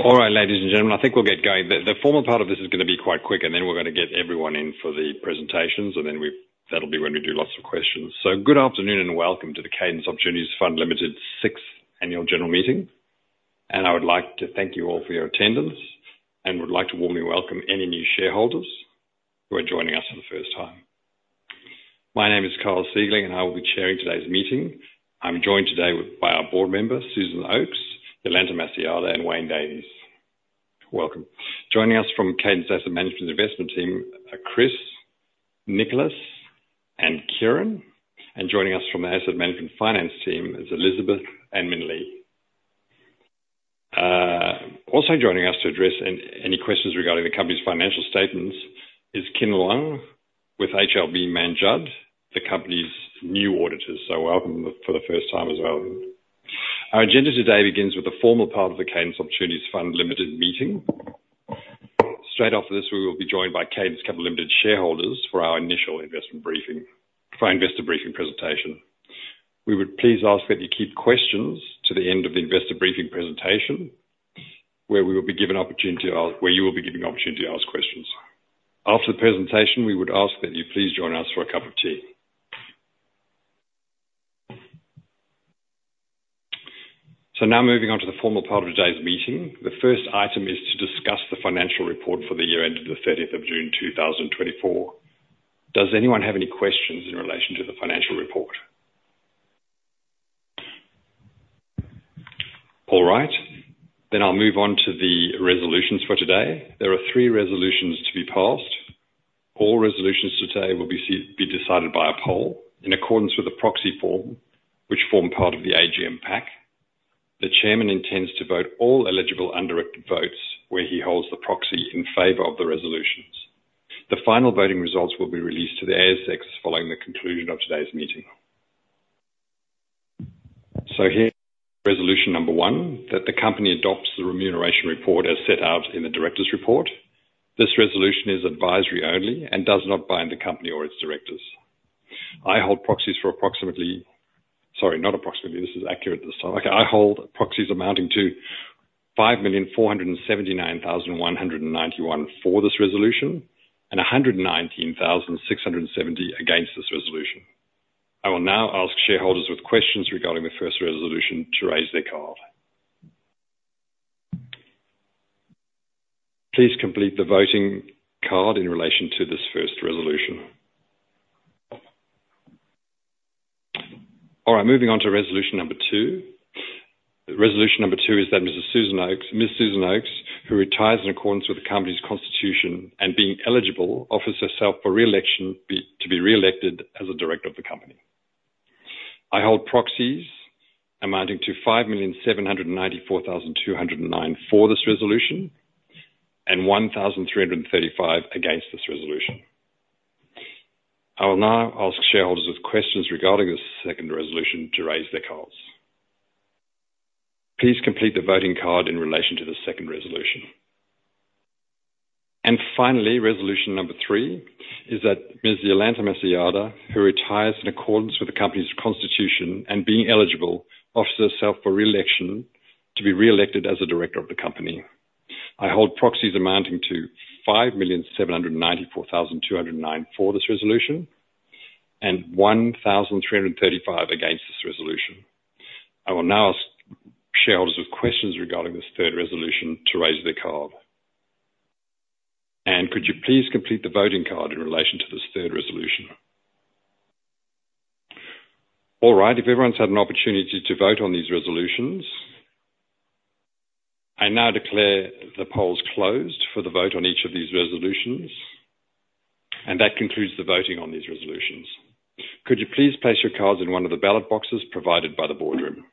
All right, ladies and gentlemen, I think we'll get going. The formal part of this is going to be quite quick, and then we're going to get everyone in for the presentations, and then that'll be when we do lots of questions. So good afternoon and welcome to the Cadence Opportunities Fund Limited's sixth annual general meeting, and I would like to thank you all for your attendance and would like to warmly welcome any new shareholders who are joining us for the first time. My name is Karl Siegling, and I will be chairing today's meeting. I'm joined today by our board members, Susan Oakes, Jolanta Masojada, and Wayne Davies. Welcome. Joining us from Cadence Asset Management Investment Team, Chris, Nicholas, and Kiran. And joining us from the Asset Management Finance Team is Elizabeth and Min Li Thong. Also joining us to address any questions regarding the company's financial statements is Kin Loong with HLB Mann Judd, the company's new auditor. So welcome for the first time as well. Our agenda today begins with the formal part of the Cadence Opportunities Fund Limited meeting. Straight after this, we will be joined by Cadence Capital Limited shareholders for our initial investor briefing presentation. We would please ask that you keep questions to the end of the investor briefing presentation, where we will be given opportunity to ask questions. After the presentation, we would ask that you please join us for a cup of tea. So now moving on to the formal part of today's meeting, the first item is to discuss the financial report for the year ended the 30th of June 2024. Does anyone have any questions in relation to the financial report? All right. Then I'll move on to the resolutions for today. There are three resolutions to be passed. All resolutions today will be decided by a poll in accordance with the proxy form, which form part of the AGM pack. The chairman intends to vote all eligible undirected votes where he holds the proxy in favor of the resolutions. The final voting results will be released to the ASX following the conclusion of today's meeting. So here's resolution number one, that the company adopts the remuneration report as set out in the director's report. This resolution is advisory only and does not bind the company or its directors. I hold proxies for approximately - sorry, not approximately, this is accurate this time. I hold proxies amounting to 5,479,191 for this resolution and 119,670 against this resolution. I will now ask shareholders with questions regarding the first resolution to raise their card. Please complete the voting card in relation to this first resolution. All right, moving on to resolution number two. Resolution number two is that Ms. Susan Oakes, who retires in accordance with the company's constitution and being eligible, offers herself for re-election to be re-elected as a director of the company. I hold proxies amounting to 5,794,209 for this resolution and 1,335 against this resolution. I will now ask shareholders with questions regarding this second resolution to raise their cards. Please complete the voting card in relation to the second resolution. And finally, resolution number three is that Ms. Jolanta Masojada, who retires in accordance with the company's constitution and being eligible, offers herself for re-election to be re-elected as a director of the company. I hold proxies amounting to 5,794,209 for this resolution and 1,335 against this resolution. I will now ask shareholders with questions regarding this third resolution to raise their card, and could you please complete the voting card in relation to this third resolution? All right, if everyone's had an opportunity to vote on these resolutions, I now declare the polls closed for the vote on each of these resolutions, and that concludes the voting on these resolutions. Could you please place your cards in one of the ballot boxes provided by the boardroom?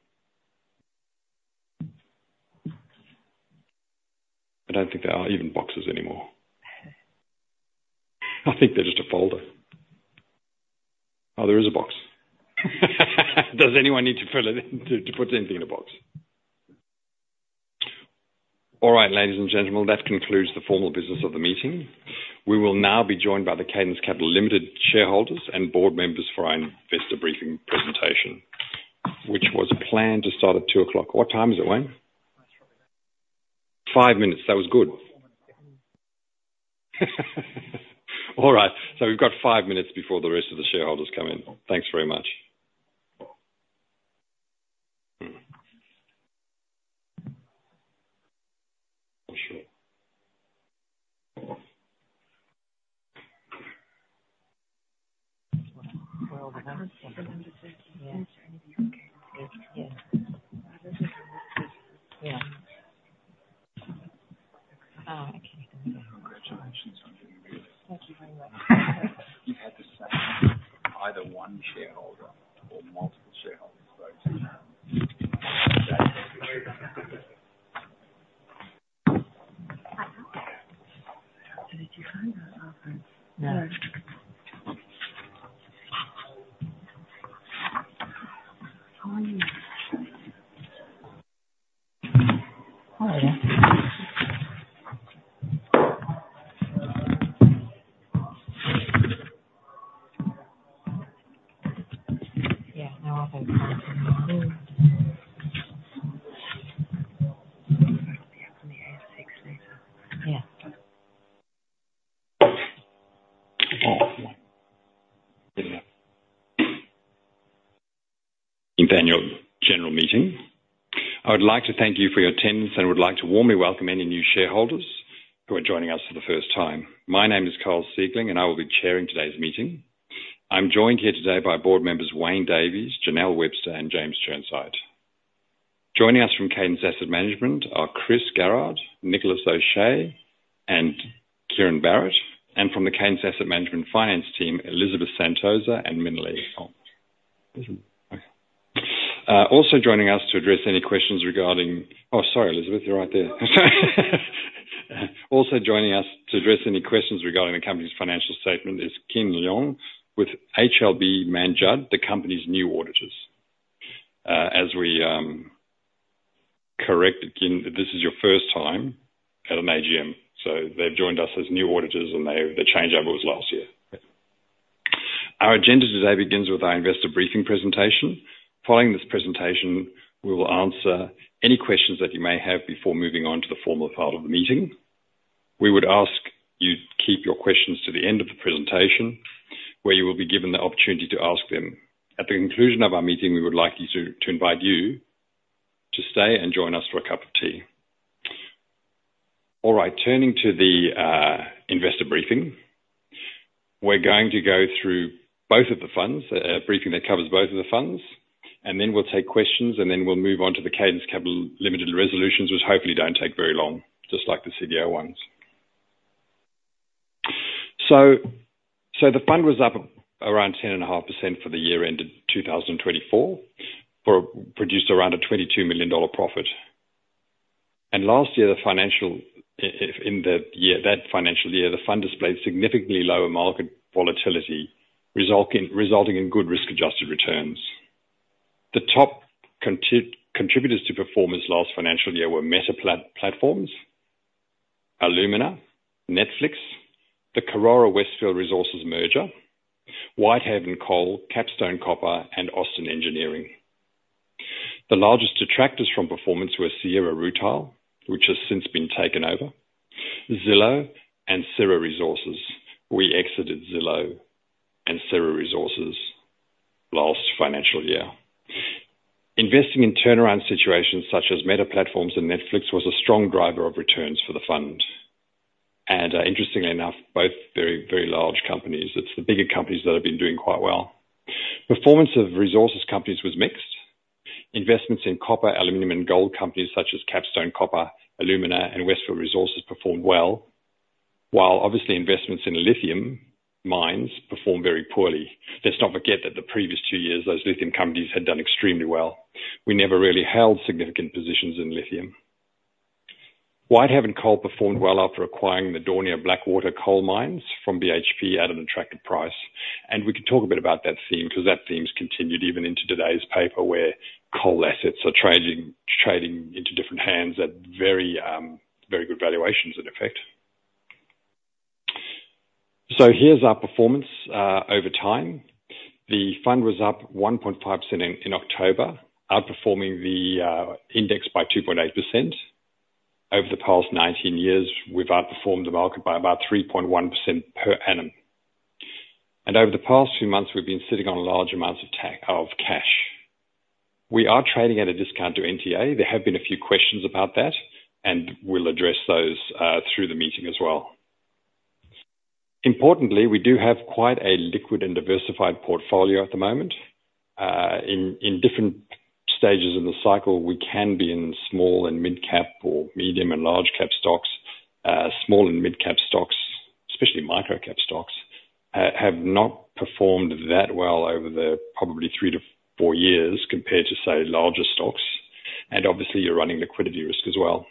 I don't think there are even boxes anymore. I think they're just a folder. Oh, there is a box. Does anyone need to put anything in a box? All right, ladies and gentlemen, that concludes the formal business of the meeting. We will now be joined by the Cadence Capital Limited shareholders and board members for our investor briefing presentation, which was planned to start at 2:00 P.M. What time is it, Wayne? Five minutes. Five minutes. That was good. All right. So we've got five minutes before the rest of the shareholders come in. Thanks very much. In the Annual General Meeting, I would like to thank you for your attendance and would like to warmly welcome any new shareholders who are joining us for the first time. My name is Karl Siegling, and I will be chairing today's meeting. I'm joined here today by board members Wayne Davies, Jenelle Webster, and James Chirnside. Joining us from Cadence Asset Management are Chris Garrard, Nicholas O'Shea, and Kieran Barratt, and from the Cadence Asset Management Finance Team, Elizabeth Sentosa and Min Li Thong. Also joining us to address any questions regarding, oh, sorry, Elizabeth, you're right there. Also joining us to address any questions regarding the company's financial statement is Kin Loong with HLB Mann Judd, the company's new auditors. As we corrected, Kin, this is your first time at an AGM. So they've joined us as new auditors, and the changeover was last year. Our agenda today begins with our investor briefing presentation. Following this presentation, we will answer any questions that you may have before moving on to the formal part of the meeting. We would ask you to keep your questions to the end of the presentation, where you will be given the opportunity to ask them. At the conclusion of our meeting, we would like to invite you to stay and join us for a cup of tea. All right, turning to the investor briefing, we're going to go through both of the funds, a briefing that covers both of the funds, and then we'll take questions, and then we'll move on to the Cadence Capital Limited resolutions, which hopefully don't take very long, just like the CDO ones. So the fund was up around 10.5% for the year ended 2024, produced around a $22 million profit. And last year, in that financial year, the fund displayed significantly lower market volatility, resulting in good risk-adjusted returns. The top contributors to performance last financial year were Meta Platforms, Alumina, Netflix, the Karora Westgold Resources merger, Whitehaven Coal, Capstone Copper, and Austin Engineering. The largest detractors from performance were Sierra Rutile, which has since been taken over, Zillow, and Syrah Resources. We exited Zillow and Syrah Resources last financial year. Investing in turnaround situations such as Meta Platforms and Netflix was a strong driver of returns for the fund. And interestingly enough, both very, very large companies, it's the bigger companies that have been doing quite well. Performance of resources companies was mixed. Investments in copper, aluminum, and gold companies such as Capstone Copper, Alumina, and Westgold Resources performed well, while obviously investments in lithium mines performed very poorly. Let's not forget that the previous two years, those lithium companies had done extremely well. We never really held significant positions in lithium. Whitehaven Coal performed well after acquiring the Daunia and Blackwater Coal Mines from BHP at an attractive price. And we can talk a bit about that theme because that theme's continued even into today's paper, where coal assets are trading into different hands at very good valuations in effect. So here's our performance over time. The fund was up 1.5% in October, outperforming the index by 2.8%. Over the past 19 years, we've outperformed the market by about 3.1% per annum, and over the past few months, we've been sitting on large amounts of cash. We are trading at a discount to NTA. There have been a few questions about that, and we'll address those through the meeting as well. Importantly, we do have quite a liquid and diversified portfolio at the moment. In different stages of the cycle, we can be in small and mid-cap or medium and large-cap stocks. Small and mid-cap stocks, especially micro-cap stocks, have not performed that well over the probably three to four years compared to, say, larger stocks, and obviously, you're running liquidity risk as well.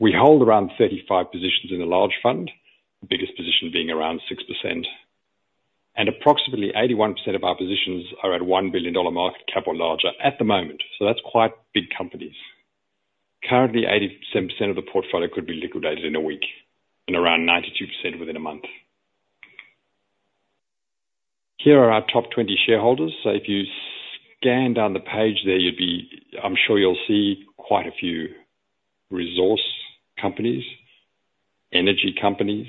We hold around 35 positions in the large fund, the biggest position being around 6%. Approximately 81% of our positions are at $1 billion market cap or larger at the moment. So that's quite big companies. Currently, 87% of the portfolio could be liquidated in a week and around 92% within a month. Here are our top 20 shareholders. So if you scan down the page there, I'm sure you'll see quite a few resource companies, energy companies,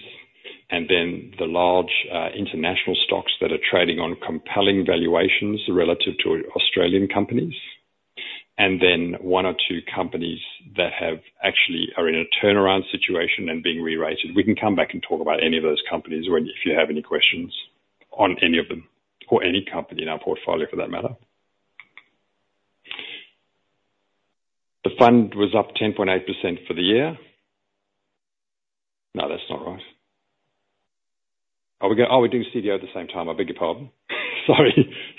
and then the large international stocks that are trading on compelling valuations relative to Australian companies, and then one or two companies that actually are in a turnaround situation and being re-rated. We can come back and talk about any of those companies if you have any questions on any of them or any company in our portfolio for that matter. The fund was up 10.8% for the year. No, that's not right. Oh, we're doing CDO at the same time. I beg your pardon. Sorry.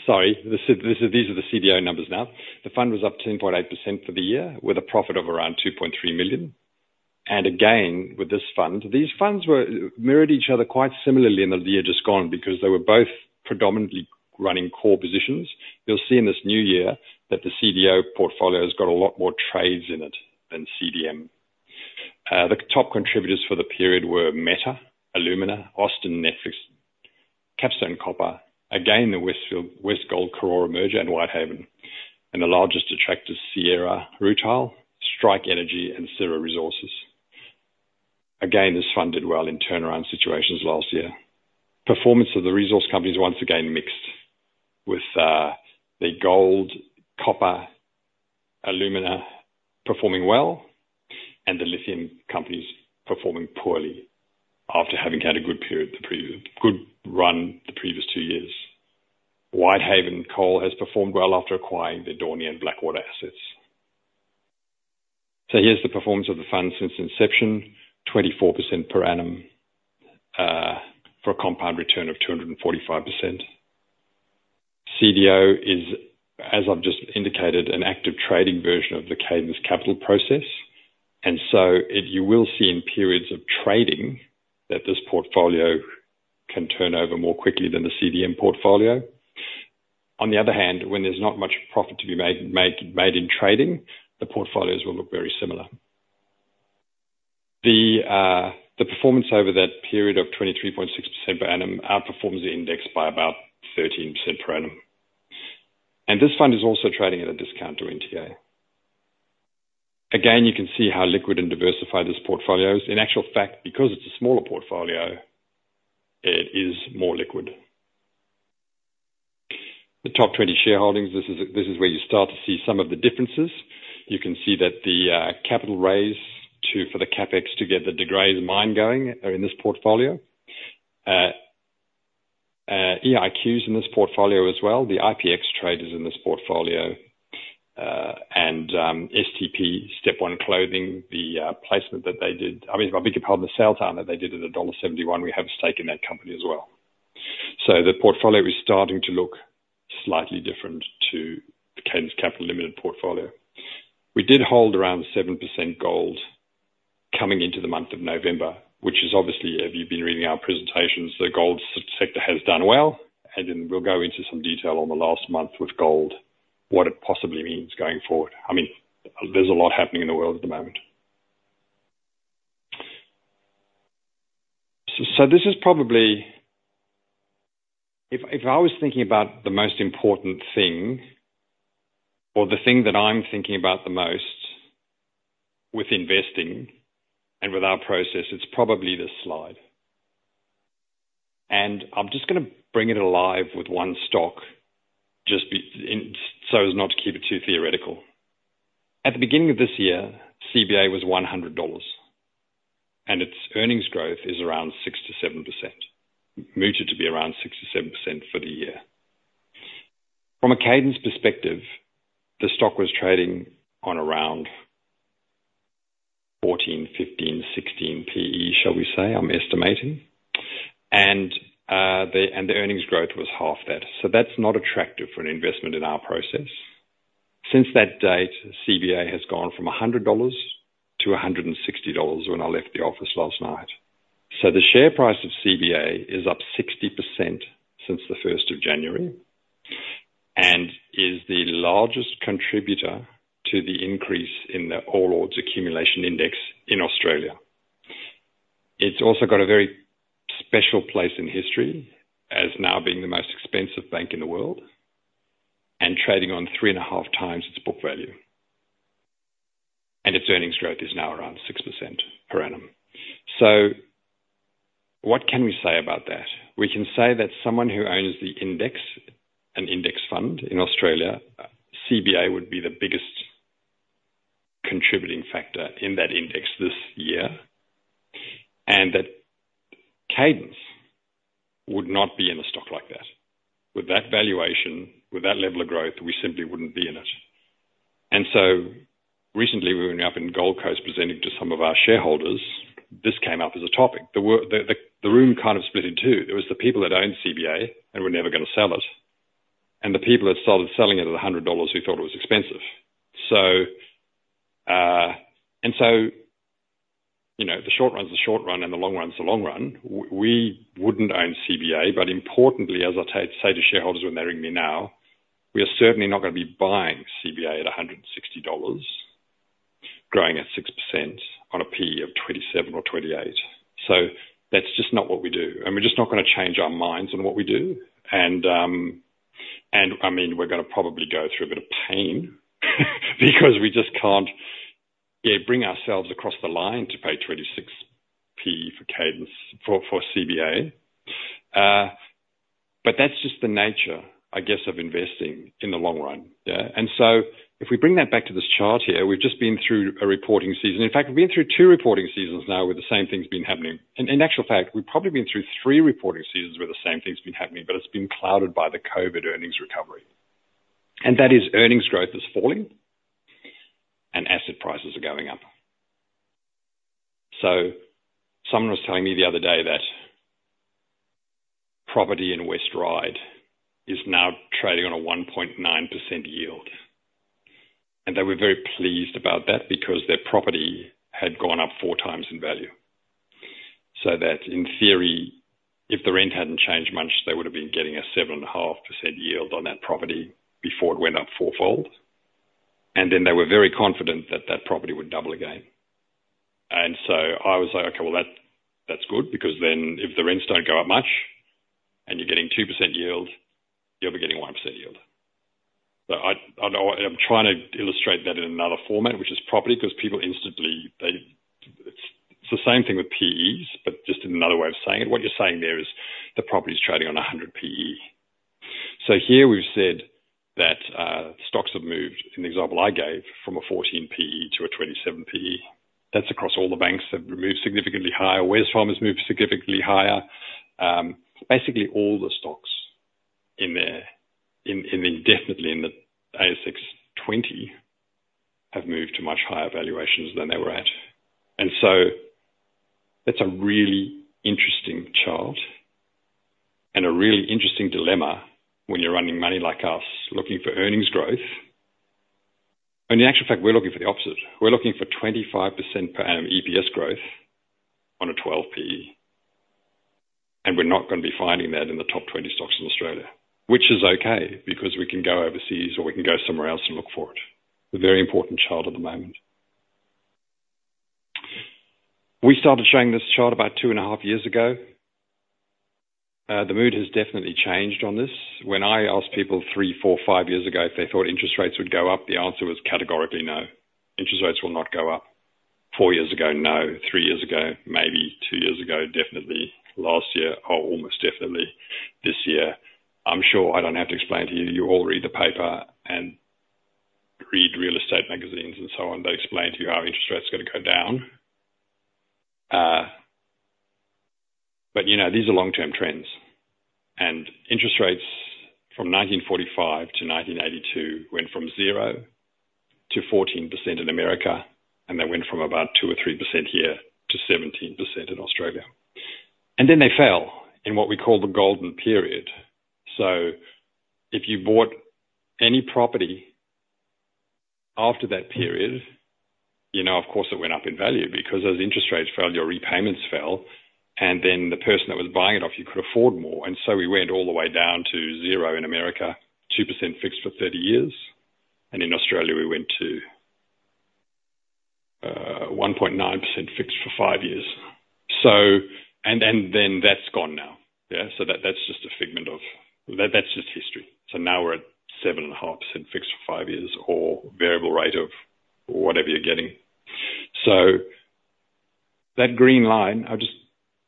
Sorry. These are the CDO numbers now. The fund was up 10.8% for the year with a profit of around 2.3 million. And again, with this fund, these funds mirrored each other quite similarly in the year just gone because they were both predominantly running core positions. You'll see in this new year that the CDO portfolio has got a lot more trades in it than CDM. The top contributors for the period were Meta, Alumina, Austin, Netflix, Capstone Copper, again, the Westgold Karora merger and Whitehaven, and the largest detractors, Sierra Rutile, Strike Energy, and Syrah Resources. Again, this fund did well in turnaround situations last year. Performance of the resource companies once again mixed with the gold, copper, Alumina performing well and the lithium companies performing poorly after having had a good run, the previous two years. Whitehaven Coal has performed well after acquiring the Daunia and Blackwater assets, so here's the performance of the fund since inception, 24% per annum for a compound return of 245%. CDO is, as I've just indicated, an active trading version of the Cadence Capital process, and so you will see in periods of trading that this portfolio can turn over more quickly than the CDM portfolio. On the other hand, when there's not much profit to be made in trading, the portfolios will look very similar. The performance over that period of 23.6% per annum outperforms the index by about 13% per annum, and this fund is also trading at a discount to NTA. Again, you can see how liquid and diversified this portfolio is. In actual fact, because it's a smaller portfolio, it is more liquid. The top 20 shareholdings, this is where you start to see some of the differences. You can see that the capital raise for the CapEx to get the De Grey Mining going in this portfolio. EchoIQ is in this portfolio as well. The IperionX trade is in this portfolio and STP Step One Clothing, the placement that they did. I mean, if I beg your pardon, the sell-down that they did at dollar 1.71, we have a stake in that company as well. So the portfolio is starting to look slightly different to Cadence Capital Limited portfolio. We did hold around 7% gold coming into the month of November, which is obviously, if you've been reading our presentations, the gold sector has done well. Then we'll go into some detail on the last month with gold, what it possibly means going forward. I mean, there's a lot happening in the world at the moment. So this is probably, if I was thinking about the most important thing or the thing that I'm thinking about the most with investing and with our process, it's probably this slide. And I'm just going to bring it alive with one stock just so as not to keep it too theoretical. At the beginning of this year, CBA was 100 dollars, and its earnings growth is around 6%-7%, expected to be around 6%-7% for the year. From a Cadence perspective, the stock was trading on around 14-16 PE, shall we say. I'm estimating. And the earnings growth was half that. So that's not attractive for an investment in our process. Since that date, CBA has gone from 100 dollars to 160 dollars when I left the office last night. The share price of CBA is up 60% since the 1st of January and is the largest contributor to the increase in the All Ords Accumulation Index in Australia. It's also got a very special place in history as now being the most expensive bank in the world and trading on three and a half times its book value. Its earnings growth is now around 6% per annum. What can we say about that? We can say that someone who owns the index, an index fund in Australia, CBA would be the biggest contributing factor in that index this year. That Cadence would not be in a stock like that. With that valuation, with that level of growth, we simply wouldn't be in it. Recently, we were up in Gold Coast presenting to some of our shareholders. This came up as a topic. The room kind of split in two. There were the people that owned CBA and were never going to sell it. And the people that started selling it at 100 dollars who thought it was expensive. And so the short run's the short run and the long run's the long run. We wouldn't own CBA, but importantly, as I say to shareholders when they're ringing me now, we are certainly not going to be buying CBA at 160 dollars, growing at 6% on a PE of 27 or 28. So that's just not what we do. And we're just not going to change our minds on what we do. And I mean, we're going to probably go through a bit of pain because we just can't bring ourselves across the line to pay 26 PE for CBA. But that's just the nature, I guess, of investing in the long run. If we bring that back to this chart here, we've just been through a reporting season. In fact, we've been through two reporting seasons now with the same things being happening. In actual fact, we've probably been through three reporting seasons where the same thing's been happening, but it's been clouded by the COVID earnings recovery. That is earnings growth is falling and asset prices are going up. Someone was telling me the other day that property in West Ryde is now trading on a 1.9% yield. They were very pleased about that because their property had gone up four times in value. That in theory, if the rent hadn't changed much, they would have been getting a 7.5% yield on that property before it went up fourfold. Then they were very confident that that property would double again. I was like, "Okay, well, that's good because then if the rents don't go up much and you're getting 2% yield, you'll be getting 1% yield." I'm trying to illustrate that in another format, which is property, because people instantly, it's the same thing with PEs, but just in another way of saying it. What you're saying there is the property's trading on 100 PE. So here we've said that stocks have moved in the example I gave from a 14 PE to a 27 PE. That's across all the banks have moved significantly higher. Wesfarmers has moved significantly higher. Basically, all the stocks in there, indeed the ASX 20, have moved to much higher valuations than they were at. That's a really interesting chart and a really interesting dilemma when you're running money like us looking for earnings growth. In actual fact, we're looking for the opposite. We're looking for 25% per annum EPS growth on a 12 PE, and we're not going to be finding that in the top 20 stocks in Australia, which is okay because we can go overseas or we can go somewhere else and look for it. It's a very important chart at the moment. We started showing this chart about two and a half years ago. The mood has definitely changed on this. When I asked people three, four, five years ago if they thought interest rates would go up, the answer was categorically no. Interest rates will not go up. Four years ago, no. Three years ago, maybe two years ago, definitely. Last year, almost definitely. This year, I'm sure I don't have to explain to you. You all read the paper and read real estate magazines and so on. They explain to you how interest rates are going to go down, but these are long-term trends. Interest rates from 1945 to 1982 went from 0 to 14% in America, and they went from about 2 or 3% here to 17% in Australia. Then they fell in what we call the golden period. If you bought any property after that period, of course, it went up in value because as interest rates fell, your repayments fell, and then the person that was buying it off you could afford more. We went all the way down to 0 in America, 2% fixed for 30 years. In Australia, we went to 1.9% fixed for five years. Then that's gone now. That's just a figment of the past. That's just history. Now we're at 7.5% fixed for five years or variable rate of whatever you're getting. That green line,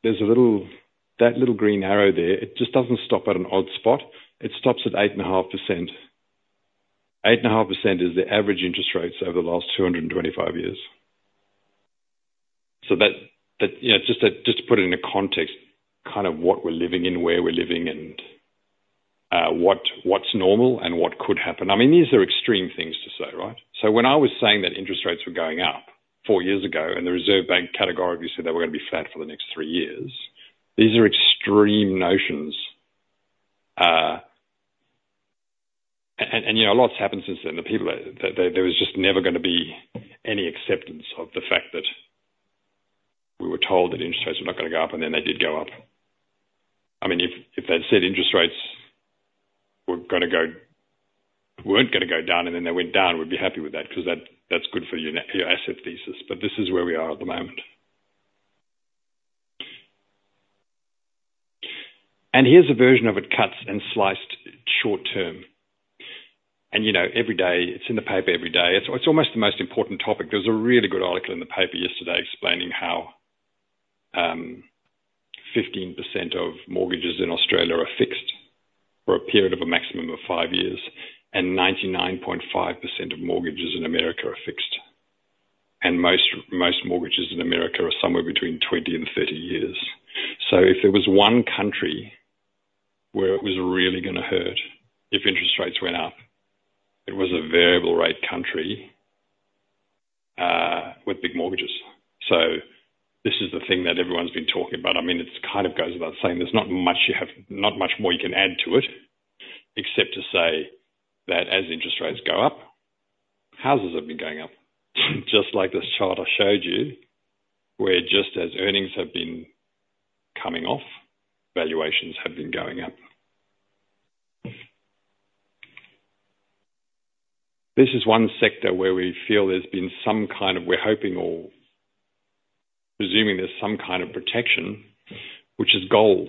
there's a little green arrow there. It just doesn't stop at an odd spot. It stops at 8.5%. 8.5% is the average interest rates over the last 225 years. Just to put it in a context, kind of what we're living in, where we're living, and what's normal and what could happen. I mean, these are extreme things to say, right? When I was saying that interest rates were going up four years ago and the Reserve Bank categorically said they were going to be flat for the next three years, these are extreme notions. A lot's happened since then. There was just never going to be any acceptance of the fact that we were told that interest rates were not going to go up, and then they did go up. I mean, if they'd said interest rates were going to go, weren't going to go down, and then they went down, we'd be happy with that because that's good for your asset thesis. But this is where we are at the moment. And here's a version of it cuts and sliced short term. And every day, it's in the paper every day. It's almost the most important topic. There was a really good article in the paper yesterday explaining how 15% of mortgages in Australia are fixed for a period of a maximum of five years, and 99.5% of mortgages in America are fixed. And most mortgages in America are somewhere between 20 and 30 years. So if there was one country where it was really going to hurt if interest rates went up, it was a variable rate country with big mortgages. So this is the thing that everyone's been talking about. I mean, it kind of goes without saying. There's not much more you can add to it except to say that as interest rates go up, houses have been going up. Just like this chart I showed you, where just as earnings have been coming off, valuations have been going up. This is one sector where we feel there's been some kind of, we're hoping or presuming there's some kind of protection, which is gold.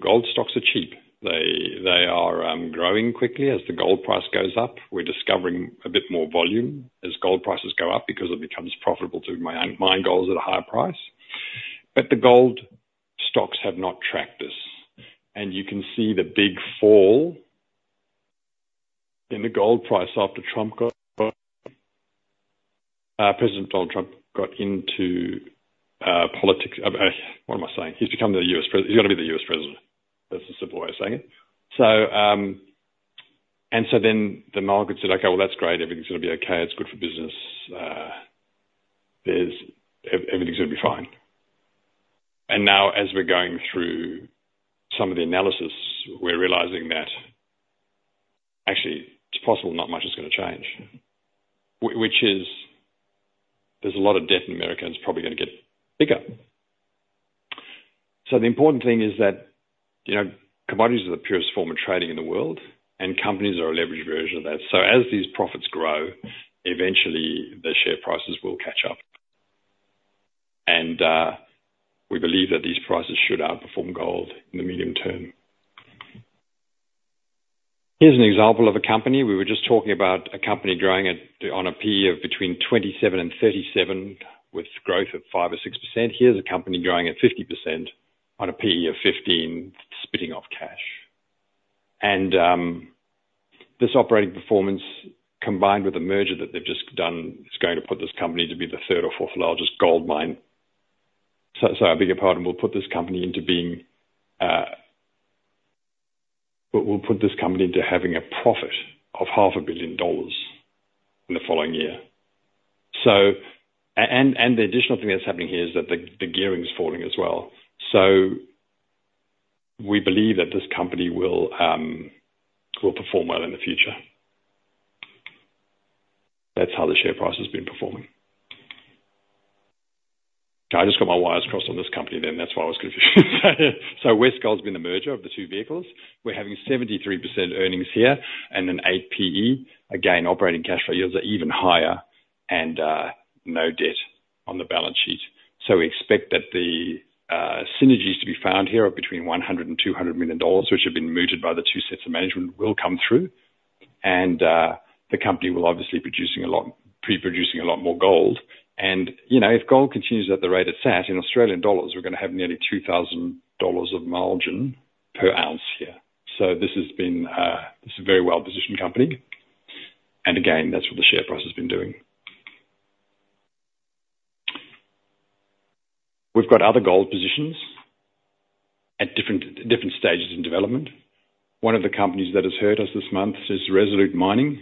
Gold stocks are cheap. They are growing quickly as the gold price goes up. We're discovering a bit more volume as gold prices go up because it becomes profitable to mine golds at a higher price. But the gold stocks have not tracked this. And you can see the big fall in the gold price after President Donald Trump got into politics. What am I saying? He's become the U.S. president. He's going to be the U.S. president. That's a simple way of saying it. And so then the market said, "Okay, well, that's great. Everything's going to be okay. It's good for business. Everything's going to be fine." And now, as we're going through some of the analysis, we're realizing that actually, it's possible not much is going to change, which is there's a lot of debt in America and it's probably going to get bigger. So the important thing is that commodities are the purest form of trading in the world, and companies are a leveraged version of that. So as these profits grow, eventually, the share prices will catch up. And we believe that these prices should outperform gold in the medium term. Here's an example of a company. We were just talking about a company growing on a PE of between 27-37 with growth of 5%-6%. Here's a company growing at 50% on a PE of 15, spitting off cash. And this operating performance, combined with the merger that they've just done, is going to put this company to be the third or fourth largest gold mine. Sorry, a bigger part. And we'll put this company into having a profit of 500 million dollars in the following year. And the additional thing that's happening here is that the gearing's falling as well. So we believe that this company will perform well in the future. That's how the share price has been performing. I just got my wires crossed on this company then. That's why I was confused. So Westgold's been the merger of the two vehicles. We're having 73% earnings here and an 8 PE. Again, operating cash flow yields are even higher and no debt on the balance sheet. So we expect that the synergies to be found here are between 100 million dollars and AUD 200 million, which have been mooted by the two sets of management, will come through. And the company will obviously be producing a lot more gold. And if gold continues at the rate it's at in Australian dollars, we're going to have nearly 2,000 dollars of margin per ounce here. So this has been a very well-positioned company. And again, that's what the share price has been doing. We've got other gold positions at different stages in development. One of the companies that has hurt us this month is Resolute Mining.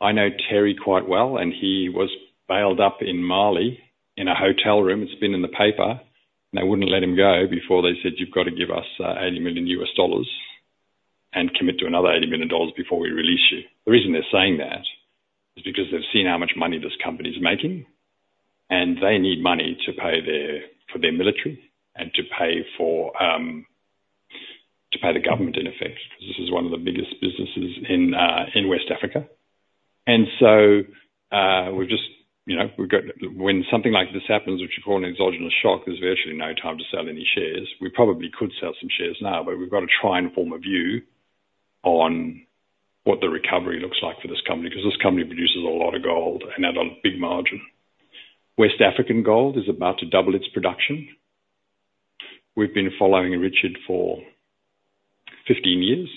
I know Terry quite well, and he was bailed up in Mali in a hotel room. It's been in the paper. They wouldn't let him go before they said, "You've got to give us $80 million and commit to another $80 million before we release you." The reason they're saying that is because they've seen how much money this company is making, and they need money to pay for their military and to pay the government, in effect, because this is one of the biggest businesses in West Africa. And so we've just, when something like this happens, which we call an exogenous shock, there's virtually no time to sell any shares. We probably could sell some shares now, but we've got to try and form a view on what the recovery looks like for this company because this company produces a lot of gold and at a big margin. West African Resources is about to double its production. We've been following Richard for 15 years.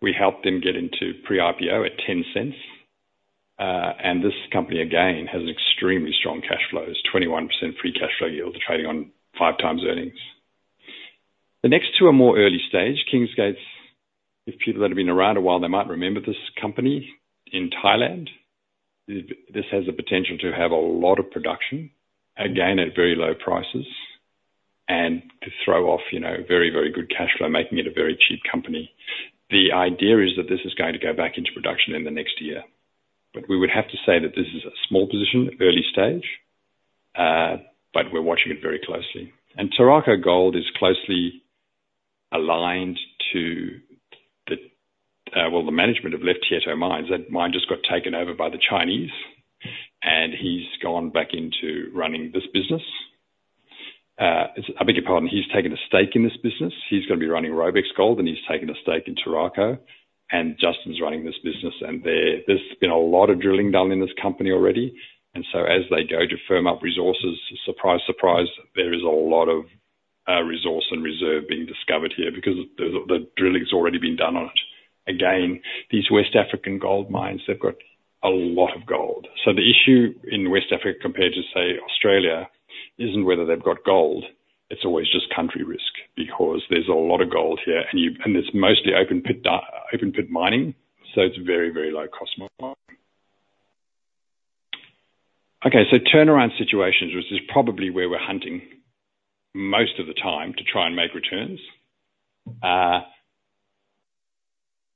We helped them get into pre-IPO at 0.10. And this company, again, has extremely strong cash flows, 21% free cash flow yield, trading on five times earnings. The next two are more early stage. Kingsgate, if people that have been around a while, they might remember this company in Thailand. This has the potential to have a lot of production, again, at very low prices, and to throw off very, very good cash flow, making it a very cheap company. The idea is that this is going to go back into production in the next year. But we would have to say that this is a small position, early stage, but we're watching it very closely. And Turaco Gold is closely aligned to, well, the management of Tietto Minerals. That mine just got taken over by the Chinese, and he's gone back into running this business. I beg your pardon. He's taken a stake in this business. He's going to be running Robex Gold, and he's taken a stake in Turaco, and Justin's running this business, and there's been a lot of drilling done in this company already. And so as they go to firm up resources, surprise, surprise, there is a lot of resource and reserve being discovered here because the drilling's already been done on it. Again, these West African gold mines, they've got a lot of gold. So the issue in West Africa compared to, say, Australia isn't whether they've got gold. It's always just country risk because there's a lot of gold here, and it's mostly open-pit mining, so it's very, very low-cost mining. Okay, so turnaround situations, which is probably where we're hunting most of the time to try and make returns.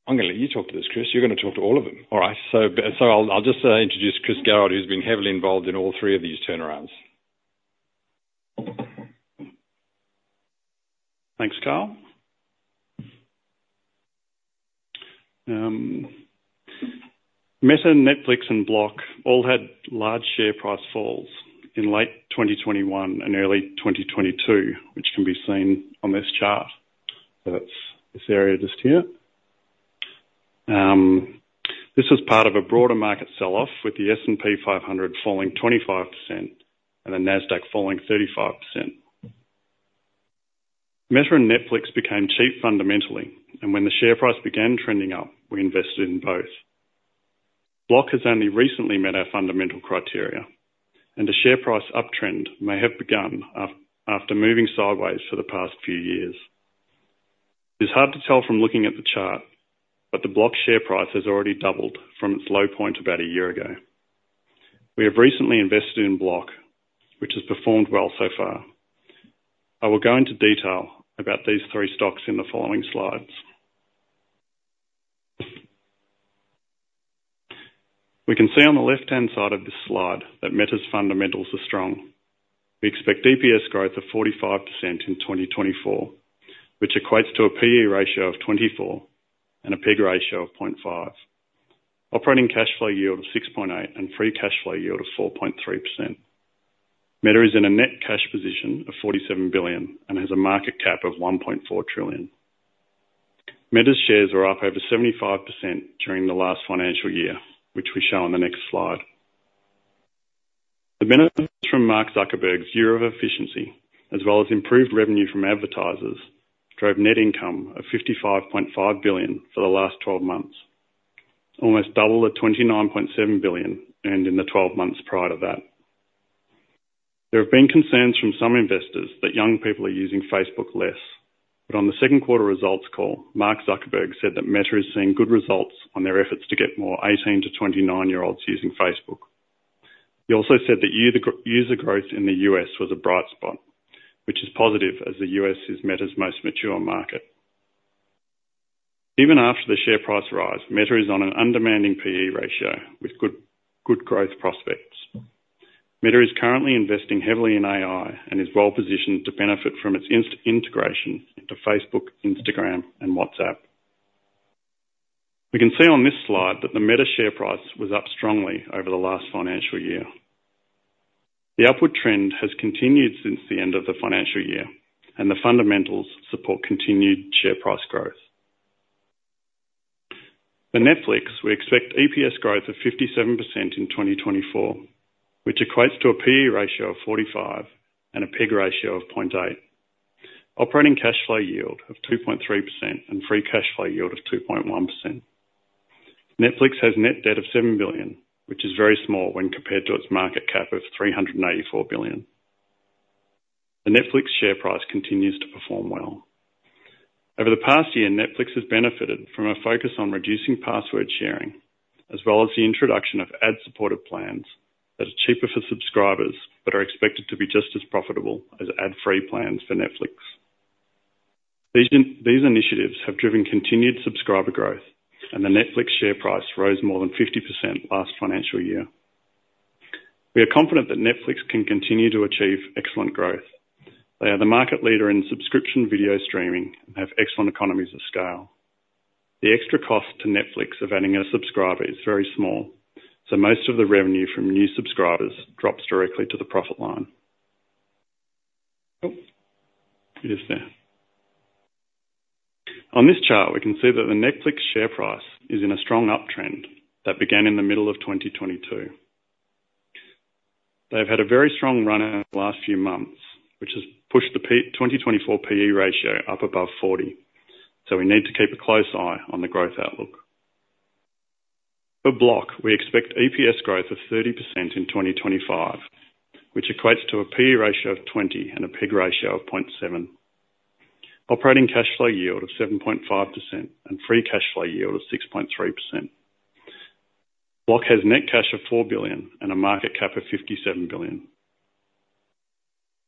I'm going to let you talk to this, Chris. You're going to talk to all of them. All right. So I'll just introduce Chris Garrard, who's been heavily involved in all three of these turnarounds. Thanks, Karl. Meta, Netflix, and Block all had large share price falls in late 2021 and early 2022, which can be seen on this chart. So that's this area just here. This was part of a broader market sell-off with the S&P 500 falling 25% and the Nasdaq falling 35%. Meta and Netflix became cheap fundamentally, and when the share price began trending up, we invested in both. Block has only recently met our fundamental criteria, and the share price uptrend may have begun after moving sideways for the past few years. It's hard to tell from looking at the chart, but the Block share price has already doubled from its low point about a year ago. We have recently invested in Block, which has performed well so far. I will go into detail about these three stocks in the following slides. We can see on the left-hand side of this slide that Meta's fundamentals are strong. We expect EPS growth of 45% in 2024, which equates to a PE ratio of 24 and a PEG ratio of 0.5, operating cash flow yield of 6.8%, and free cash flow yield of 4.3%. Meta is in a net cash position of $47 billion and has a market cap of $1.4 trillion. Meta's shares were up over 75% during the last financial year, which we show on the next slide. The benefits from Mark Zuckerberg's year of efficiency, as well as improved revenue from advertisers, drove net income of $55.5 billion for the last 12 months, almost double the $29.7 billion earned in the 12 months prior to that. There have been concerns from some investors that young people are using Facebook less. But on the second quarter results call, Mark Zuckerberg said that Meta is seeing good results on their efforts to get more 18-29-year-olds using Facebook. He also said that user growth in the U.S. was a bright spot, which is positive as the U.S. is Meta's most mature market. Even after the share price rise, Meta is on an undemanding PE ratio with good growth prospects. Meta is currently investing heavily in AI and is well-positioned to benefit from its integration into Facebook, Instagram, and WhatsApp. We can see on this slide that the Meta share price was up strongly over the last financial year. The upward trend has continued since the end of the financial year, and the fundamentals support continued share price growth. For Netflix, we expect EPS growth of 57% in 2024, which equates to a PE ratio of 45 and a PEG ratio of 0.8, operating cash flow yield of 2.3%, and free cash flow yield of 2.1%. Netflix has net debt of $7 billion, which is very small when compared to its market cap of $384 billion. The Netflix share price continues to perform well. Over the past year, Netflix has benefited from a focus on reducing password sharing, as well as the introduction of ad-supported plans that are cheaper for subscribers but are expected to be just as profitable as ad-free plans for Netflix. These initiatives have driven continued subscriber growth, and the Netflix share price rose more than 50% last financial year. We are confident that Netflix can continue to achieve excellent growth. They are the market leader in subscription video streaming and have excellent economies of scale. The extra cost to Netflix of adding a subscriber is very small, so most of the revenue from new subscribers drops directly to the profit line. It is there. On this chart, we can see that the Netflix share price is in a strong uptrend that began in the middle of 2022. They've had a very strong run in the last few months, which has pushed the 2024 PE ratio up above 40. So we need to keep a close eye on the growth outlook. For Block, we expect EPS growth of 30% in 2025, which equates to a PE ratio of 20 and a PEG ratio of 0.7, operating cash flow yield of 7.5%, and free cash flow yield of 6.3%. Block has net cash of $4 billion and a market cap of $57 billion.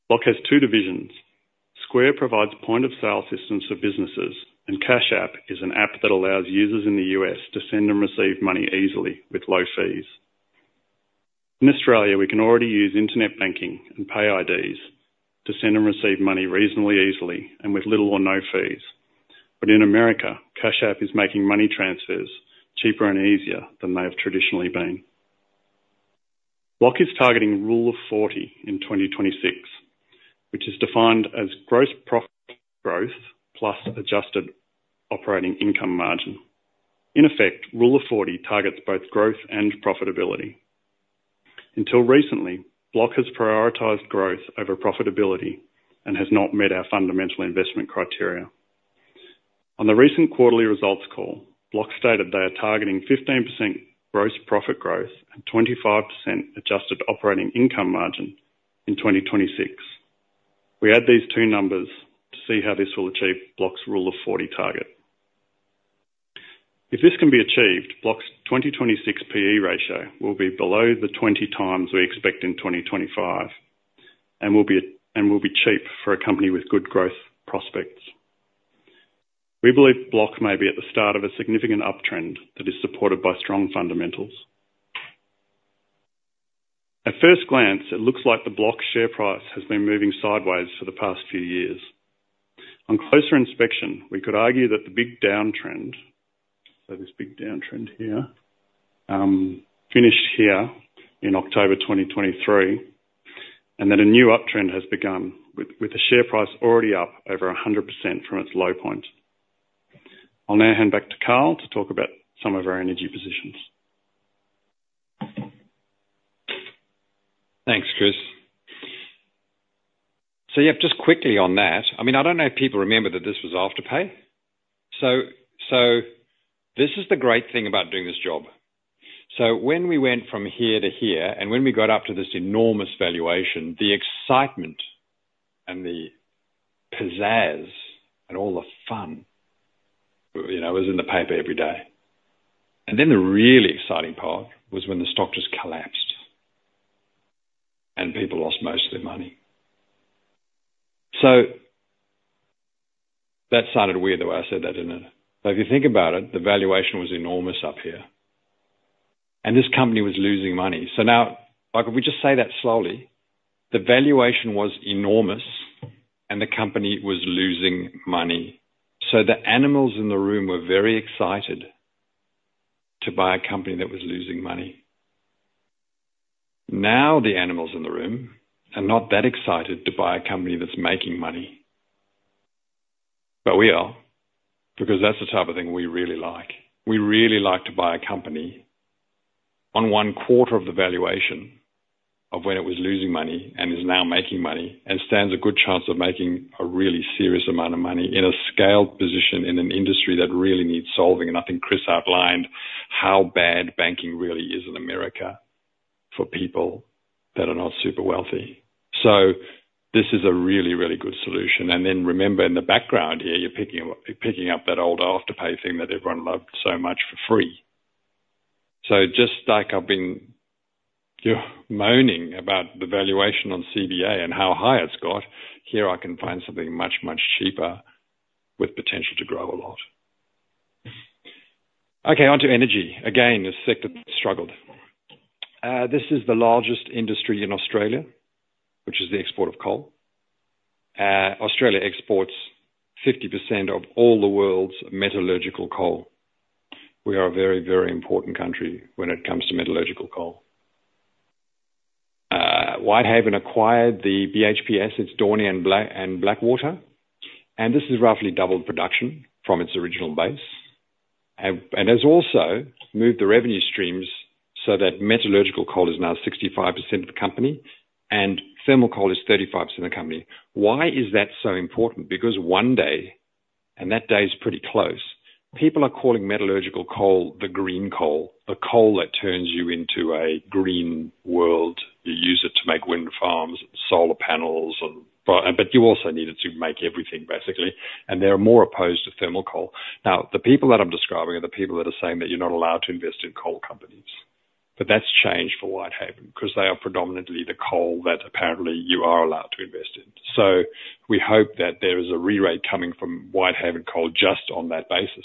Block has two divisions. Square provides point-of-sale systems for businesses, and Cash App is an app that allows users in the U.S. to send and receive money easily with low fees. In Australia, we can already use internet banking and PayIDs to send and receive money reasonably easily and with little or no fees. But in America, Cash App is making money transfers cheaper and easier than they have traditionally been. Block is targeting Rule of 40 in 2026, which is defined as gross profit growth plus adjusted operating income margin. In effect, Rule of 40 targets both growth and profitability. Until recently, Block has prioritized growth over profitability and has not met our fundamental investment criteria. On the recent quarterly results call, Block stated they are targeting 15% gross profit growth and 25% adjusted operating income margin in 2026. We add these two numbers to see how this will achieve Block's Rule of 40 target. If this can be achieved, Block's 2026 PE ratio will be below the 20 times we expect in 2025 and will be cheap for a company with good growth prospects. We believe Block may be at the start of a significant uptrend that is supported by strong fundamentals. At first glance, it looks like the Block share price has been moving sideways for the past few years. On closer inspection, we could argue that the big downtrend, so this big downtrend here, finished here in October 2023, and that a new uptrend has begun with the share price already up over 100% from its low point. I'll now hand back to Karl to talk about some of our energy positions. Thanks, Chris. So yeah, just quickly on that. I mean, I don't know if people remember that this was Afterpay. So this is the great thing about doing this job. So when we went from here to here, and when we got up to this enormous valuation, the excitement and the pizzazz and all the fun was in the paper every day, and then the really exciting part was when the stock just collapsed and people lost most of their money. So that sounded weird the way I said that, didn't it? But if you think about it, the valuation was enormous up here, and this company was losing money. So now, if we just say that slowly, the valuation was enormous, and the company was losing money. So the analysts in the room were very excited to buy a company that was losing money. Now the elephants in the room are not that excited to buy a company that's making money, but we are, because that's the type of thing we really like. We really like to buy a company on one quarter of the valuation of when it was losing money and is now making money and stands a good chance of making a really serious amount of money in a scaled position in an industry that really needs solving, and I think Chris outlined how bad banking really is in America for people that are not super wealthy, so this is a really, really good solution, and then remember, in the background here, you're picking up that old Afterpay thing that everyone loved so much for free. So just like I've been moaning about the valuation on CBA and how high it's got, here I can find something much, much cheaper with potential to grow a lot. Okay, on to energy. Again, the sector struggled. This is the largest industry in Australia, which is the export of coal. Australia exports 50% of all the world's metallurgical coal. We are a very, very important country when it comes to metallurgical coal. Whitehaven acquired the BHP Assets, Daunia and Blackwater, and this has roughly doubled production from its original base and has also moved the revenue streams so that metallurgical coal is now 65% of the company and thermal coal is 35% of the company. Why is that so important? Because one day, and that day is pretty close, people are calling metallurgical coal the green coal, the coal that turns you into a green world. You use it to make wind farms and solar panels, but you also need it to make everything, basically. And they're more opposed to thermal coal. Now, the people that I'm describing are the people that are saying that you're not allowed to invest in coal companies. But that's changed for Whitehaven because they are predominantly the coal that apparently you are allowed to invest in. So we hope that there is a rerating coming from Whitehaven Coal just on that basis.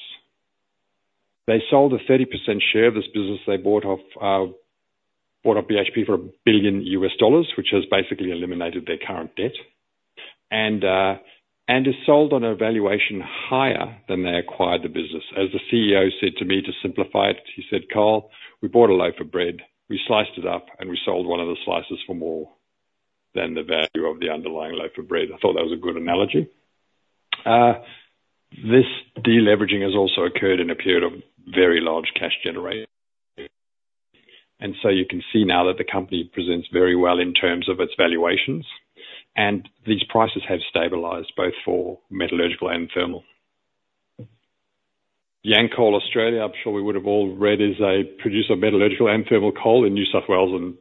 They sold a 30% share of this business they bought off BHP for $1 billion, which has basically eliminated their current debt and is sold on a valuation higher than they acquired the business. As the CEO said to me to simplify it, he said, "Karl, we bought a loaf of bread. We sliced it up, and we sold one of the slices for more than the value of the underlying loaf of bread. I thought that was a good analogy. This deleveraging has also occurred in a period of very large cash generation, and so you can see now that the company presents very well in terms of its valuations, and these prices have stabilized both for metallurgical and thermal. Yancoal Australia, I'm sure we would have all read, is a producer of metallurgical and thermal coal in New South Wales and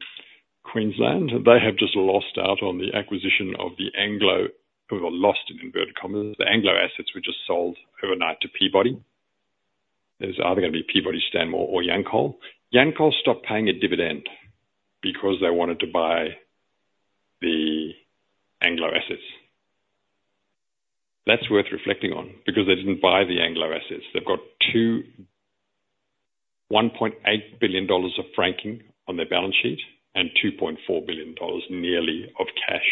Queensland. They have just lost out on the acquisition of the Anglo, or lost in inverted commas. The Anglo assets were just sold overnight to Peabody. There's either going to be Peabody, Stanmore, or Yancoal. Yancoal stopped paying a dividend because they wanted to buy the Anglo assets. That's worth reflecting on because they didn't buy the Anglo assets. They've got 1.8 billion dollars of franking on their balance sheet and 2.4 billion dollars nearly of cash.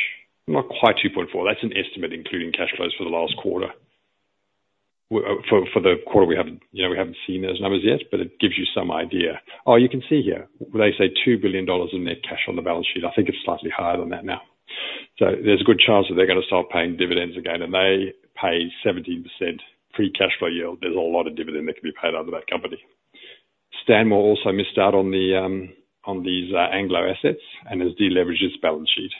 Not quite 2.4. That's an estimate including cash flows for the last quarter. For the quarter we haven't seen those numbers yet, but it gives you some idea. Oh, you can see here, they say 2 billion dollars in net cash on the balance sheet. I think it's slightly higher than that now. So there's a good chance that they're going to start paying dividends again, and they pay 17% free cash flow yield. There's a lot of dividend that can be paid out of that company. Stanmore also missed out on these Anglo assets and has deleveraged its balance sheet.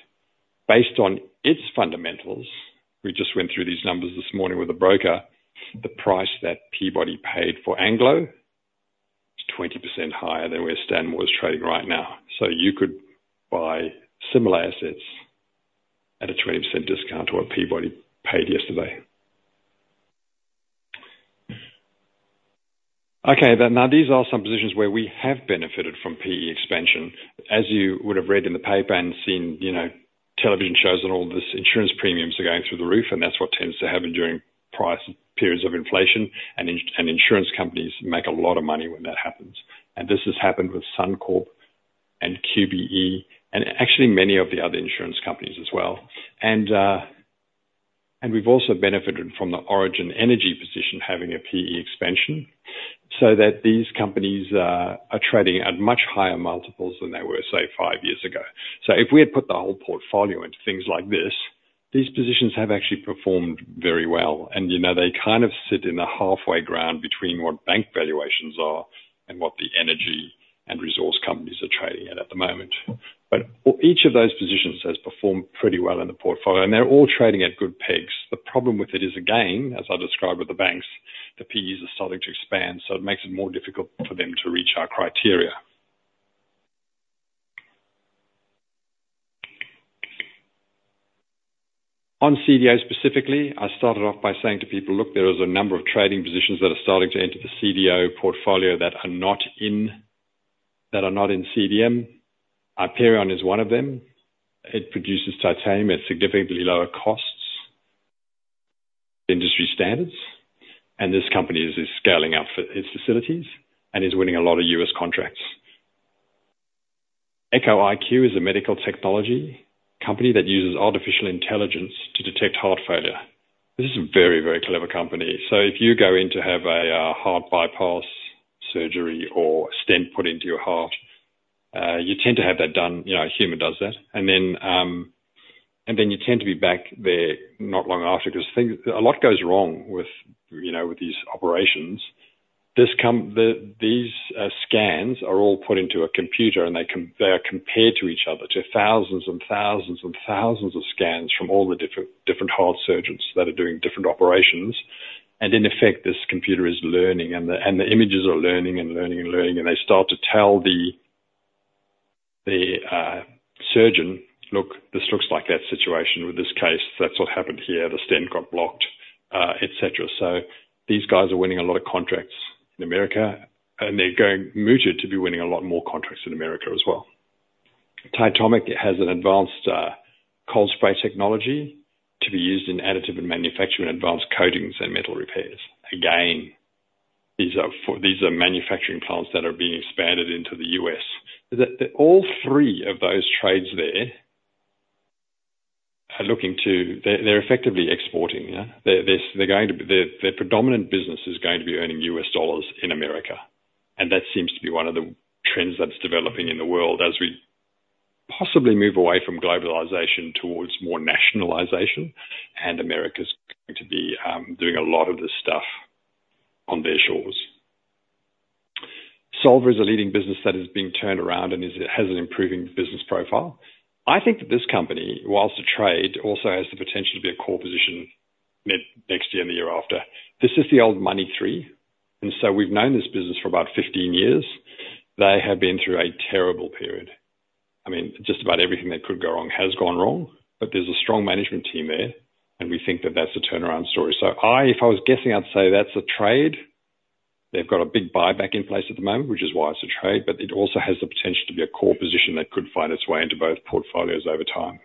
Based on its fundamentals, we just went through these numbers this morning with a broker, the price that Peabody paid for Anglo is 20% higher than where Stanmore is trading right now. You could buy similar assets at a 20% discount to what Peabody paid yesterday. Okay, now these are some positions where we have benefited from PE expansion. As you would have read in the paper and seen television shows and all this, insurance premiums are going through the roof, and that's what tends to happen during periods of inflation, and insurance companies make a lot of money when that happens. This has happened with Suncorp and QBE and actually many of the other insurance companies as well. We've also benefited from the Origin Energy position having a PE expansion so that these companies are trading at much higher multiples than they were, say, five years ago. So if we had put the whole portfolio into things like this, these positions have actually performed very well, and they kind of sit in the halfway ground between what bank valuations are and what the energy and resource companies are trading at at the moment. But each of those positions has performed pretty well in the portfolio, and they're all trading at good PEGs. The problem with it is, again, as I described with the banks, the PEs are starting to expand, so it makes it more difficult for them to reach our criteria. On CDO specifically, I started off by saying to people, "Look, there is a number of trading positions that are starting to enter the CDO portfolio that are not in CDM." IperionX is one of them. It produces titanium at significantly lower costs than industry standards, and this company is scaling up its facilities and is winning a lot of U.S. contracts. EchoIQ is a medical technology company that uses artificial intelligence to detect heart failure. This is a very, very clever company. So if you go in to have a heart bypass surgery or a stent put into your heart, you tend to have that done. A human does that. And then you tend to be back there not long after because a lot goes wrong with these operations. These scans are all put into a computer, and they are compared to each other, to thousands and thousands and thousands of scans from all the different heart surgeons that are doing different operations. In effect, this computer is learning, and the images are learning and learning and learning, and they start to tell the surgeon, "Look, this looks like that situation with this case. That's what happened here. The stent got blocked," etc. So these guys are winning a lot of contracts in America, and they're poised to be winning a lot more contracts in America as well. Titomic has an advanced cold spray technology to be used in additive manufacturing advanced coatings and metal repairs. Again, these are manufacturing plants that are being expanded into the US. All three of those trades there are looking to - they're effectively exporting. Their predominant business is going to be earning US dollars in America, and that seems to be one of the trends that's developing in the world as we possibly move away from globalization towards more nationalization, and America's going to be doing a lot of this stuff on their shores. Solvar is a leading business that is being turned around and has an improving business profile. I think that this company, while a trade, also has the potential to be a core position next year and the year after. This is the old Money3, and so we've known this business for about 15 years. They have been through a terrible period. I mean, just about everything they could go wrong has gone wrong, but there's a strong management team there, and we think that that's a turnaround story. So if I was guessing, I'd say that's a trade. They've got a big buyback in place at the moment, which is why it's a trade, but it also has the potential to be a core position that could find its way into both portfolios over time.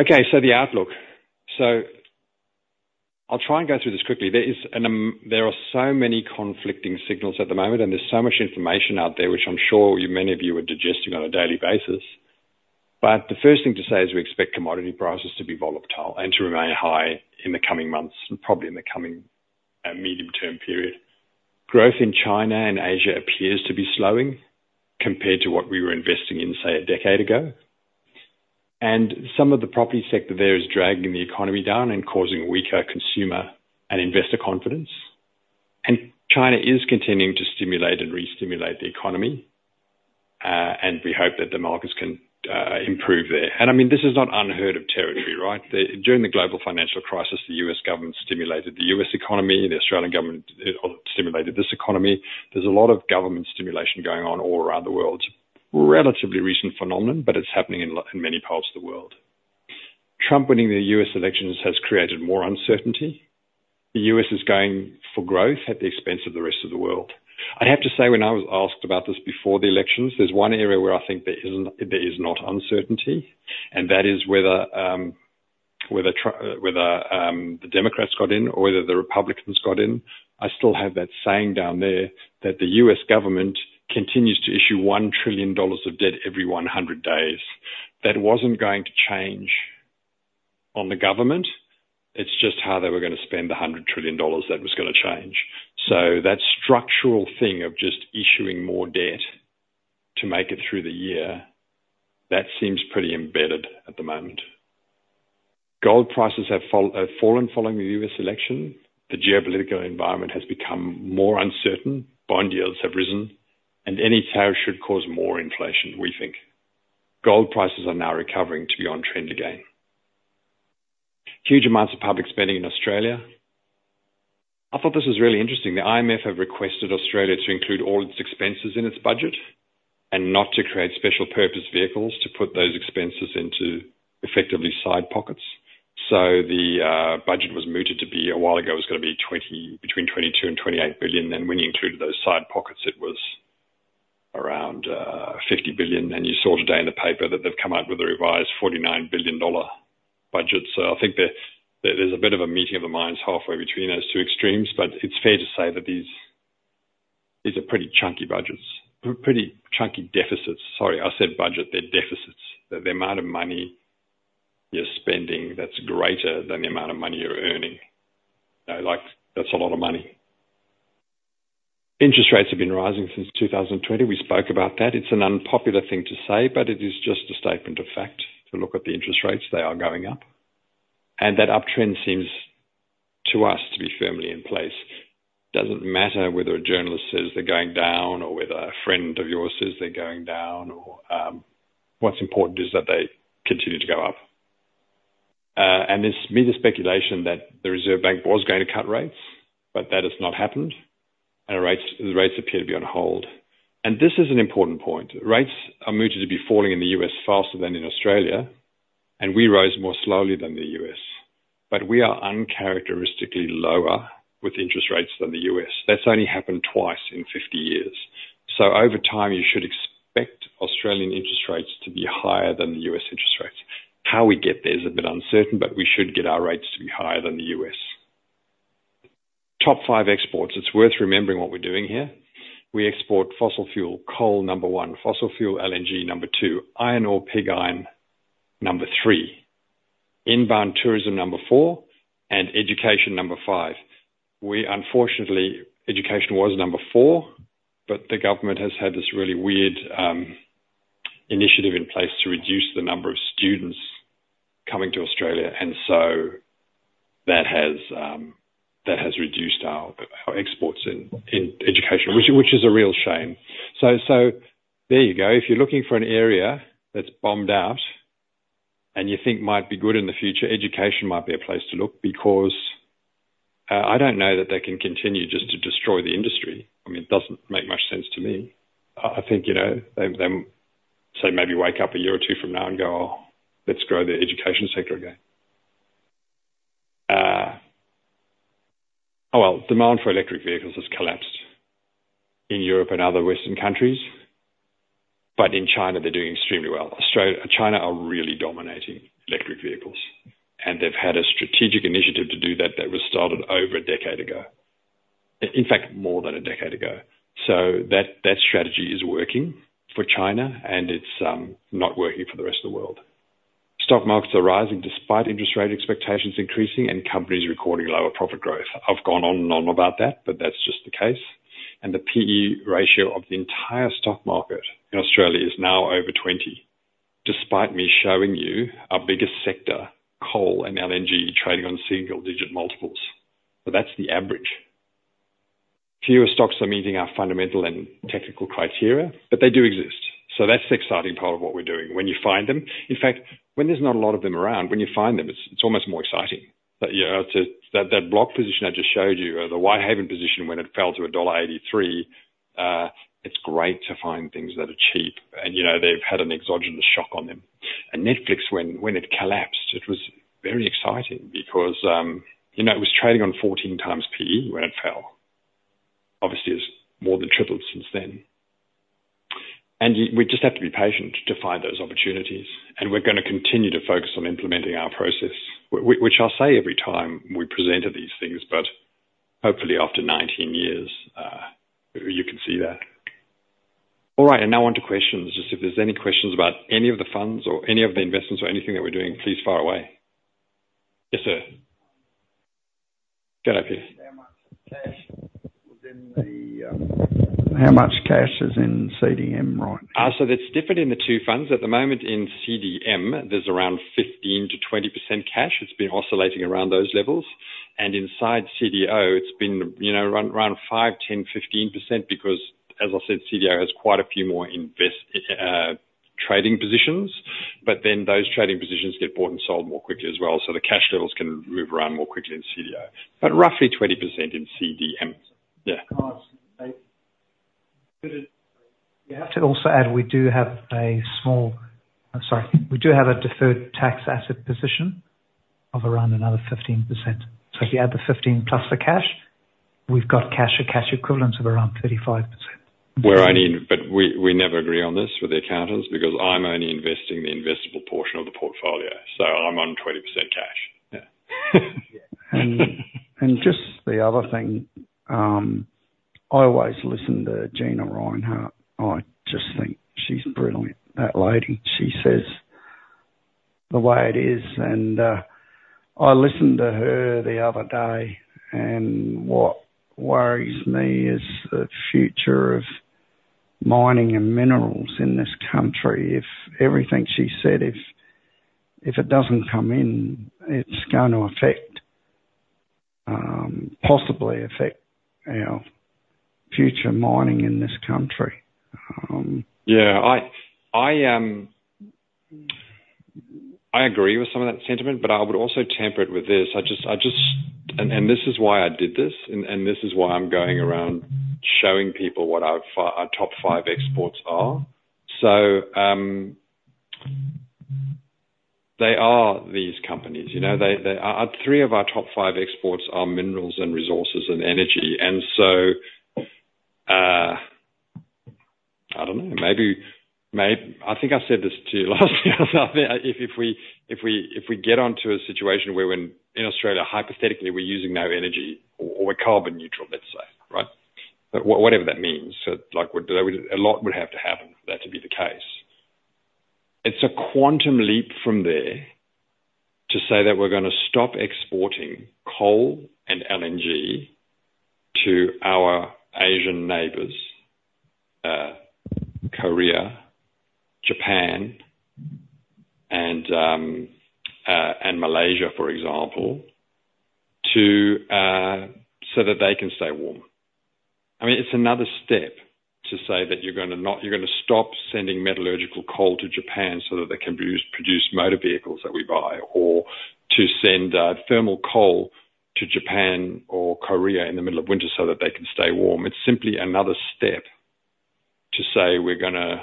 Okay, so the outlook, so I'll try and go through this quickly. There are so many conflicting signals at the moment, and there's so much information out there, which I'm sure many of you are digesting on a daily basis, but the first thing to say is we expect commodity prices to be volatile and to remain high in the coming months and probably in the coming medium-term period. Growth in China and Asia appears to be slowing compared to what we were investing in, say, a decade ago, and some of the property sector there is dragging the economy down and causing weaker consumer and investor confidence. China is continuing to stimulate and restimulate the economy, and we hope that the markets can improve there. I mean, this is not unheard of territory, right? During the global financial crisis, the U.S. government stimulated the U.S. economy. The Australian government stimulated this economy. There's a lot of government stimulation going on all around the world. It's a relatively recent phenomenon, but it's happening in many parts of the world. Trump winning the U.S. elections has created more uncertainty. The U.S. is going for growth at the expense of the rest of the world. I'd have to say, when I was asked about this before the elections, there's one area where I think there is not uncertainty, and that is whether the Democrats got in or whether the Republicans got in. I still have that saying down there that the U.S. government continues to issue $1 trillion of debt every 100 days. That wasn't going to change on the government. It's just how they were going to spend the $100 trillion that was going to change. So that structural thing of just issuing more debt to make it through the year, that seems pretty embedded at the moment. Gold prices have fallen following the U.S. election. The geopolitical environment has become more uncertain. Bond yields have risen, and any sale should cause more inflation, we think. Gold prices are now recovering to be on trend again. Huge amounts of public spending in Australia. I thought this was really interesting. The IMF have requested Australia to include all its expenses in its budget and not to create special purpose vehicles to put those expenses into effectively side pockets. So the budget was mooted to be a while ago was going to be between 22 and 28 billion, and when you included those side pockets, it was around 50 billion. And you saw today in the paper that they've come out with a revised $49 billion budget. So I think there's a bit of a meeting of the minds halfway between those two extremes, but it's fair to say that these are pretty chunky budgets, pretty chunky deficits. Sorry, I said budget. They're deficits. The amount of money you're spending that's greater than the amount of money you're earning. That's a lot of money. Interest rates have been rising since 2020. We spoke about that. It's an unpopular thing to say, but it is just a statement of fact to look at the interest rates. They are going up. And that uptrend seems to us to be firmly in place. It doesn't matter whether a journalist says they're going down or whether a friend of yours says they're going down. What's important is that they continue to go up. And there's media speculation that the Reserve Bank was going to cut rates, but that has not happened, and the rates appear to be on hold. And this is an important point. Rates are mooted to be falling in the U.S. faster than in Australia, and we rose more slowly than the U.S. But we are uncharacteristically lower with interest rates than the U.S. That's only happened twice in 50 years. So over time, you should expect Australian interest rates to be higher than the U.S. interest rates. How we get there is a bit uncertain, but we should get our rates to be higher than the U.S. Top five exports. It's worth remembering what we're doing here. We export fossil fuel, coal number one, fossil fuel, LNG number two, iron ore, pig iron number three, inbound tourism number four, and education number five. Unfortunately, education was number four, but the government has had this really weird initiative in place to reduce the number of students coming to Australia, and so that has reduced our exports in education, which is a real shame. So there you go. If you're looking for an area that's bombed out and you think might be good in the future, education might be a place to look because I don't know that they can continue just to destroy the industry. I mean, it doesn't make much sense to me. I think they say maybe wake up a year or two from now and go, "Oh, let's grow the education sector again." Oh, well, demand for electric vehicles has collapsed in Europe and other Western countries, but in China, they're doing extremely well. China are really dominating electric vehicles, and they've had a strategic initiative to do that that was started over a decade ago, in fact, more than a decade ago. So that strategy is working for China, and it's not working for the rest of the world. Stock markets are rising despite interest rate expectations increasing and companies recording lower profit growth. I've gone on and on about that, but that's just the case, and the PE ratio of the entire stock market in Australia is now over 20, despite me showing you our biggest sector, coal and LNG, trading on single-digit multiples, but that's the average. Fewer stocks are meeting our fundamental and technical criteria, but they do exist. So that's the exciting part of what we're doing when you find them. In fact, when there's not a lot of them around, when you find them, it's almost more exciting. That Block position I just showed you, the Whitehaven position when it fell to dollar 1.83, it's great to find things that are cheap, and they've had an exogenous shock on them, and Netflix, when it collapsed, it was very exciting because it was trading on 14 times PE when it fell. Obviously, it's more than tripled since then. We just have to be patient to find those opportunities, and we're going to continue to focus on implementing our process, which I'll say every time we presented these things, but hopefully after 19 years, you can see that. All right, now on to questions. Just if there's any questions about any of the funds or any of the investments or anything that we're doing, please fire away. Yes, sir. Get up here. How much cash is in CDM right now? So that's different in the two funds. At the moment, in CDM, there's around 15%-20% cash. It's been oscillating around those levels. And inside CDO, it's been around 5%, 10%, 15% because, as I said, CDO has quite a few more trading positions, but then those trading positions get bought and sold more quickly as well, so the cash levels can move around more quickly in CDO. But roughly 20% in CDM. Yeah. You have to also add we do have a small, sorry, we do have a deferred tax asset position of around another 15%. So if you add the 15 plus the cash, we've got cash-to-cash equivalents of around 35%. We're only—but we never agree on this with the accountants because I'm only investing the investable portion of the portfolio, so I'm on 20% cash. Yeah. And just the other thing, I always listen to Gina Rinehart. I just think she's brilliant, that lady. She says the way it is. And I listened to her the other day, and what worries me is the future of mining and minerals in this country. Everything she said, if it doesn't come in, it's going to affect, possibly affect future mining in this country. Yeah. I agree with some of that sentiment, but I would also temper it with this. And this is why I did this, and this is why I'm going around showing people what our top five exports are. So they are these companies. Three of our top five exports are minerals and resources and energy. And so I don't know. I think I said this to you last year. I think if we get onto a situation where in Australia, hypothetically, we're using no energy or we're carbon neutral, let's say, right? Whatever that means. A lot would have to happen for that to be the case. It's a quantum leap from there to say that we're going to stop exporting coal and LNG to our Asian neighbors, Korea, Japan, and Malaysia, for example, so that they can stay warm. I mean, it's another step to say that you're going to stop sending metallurgical coal to Japan so that they can produce motor vehicles that we buy or to send thermal coal to Japan or Korea in the middle of winter so that they can stay warm. It's simply another step to say we're going to.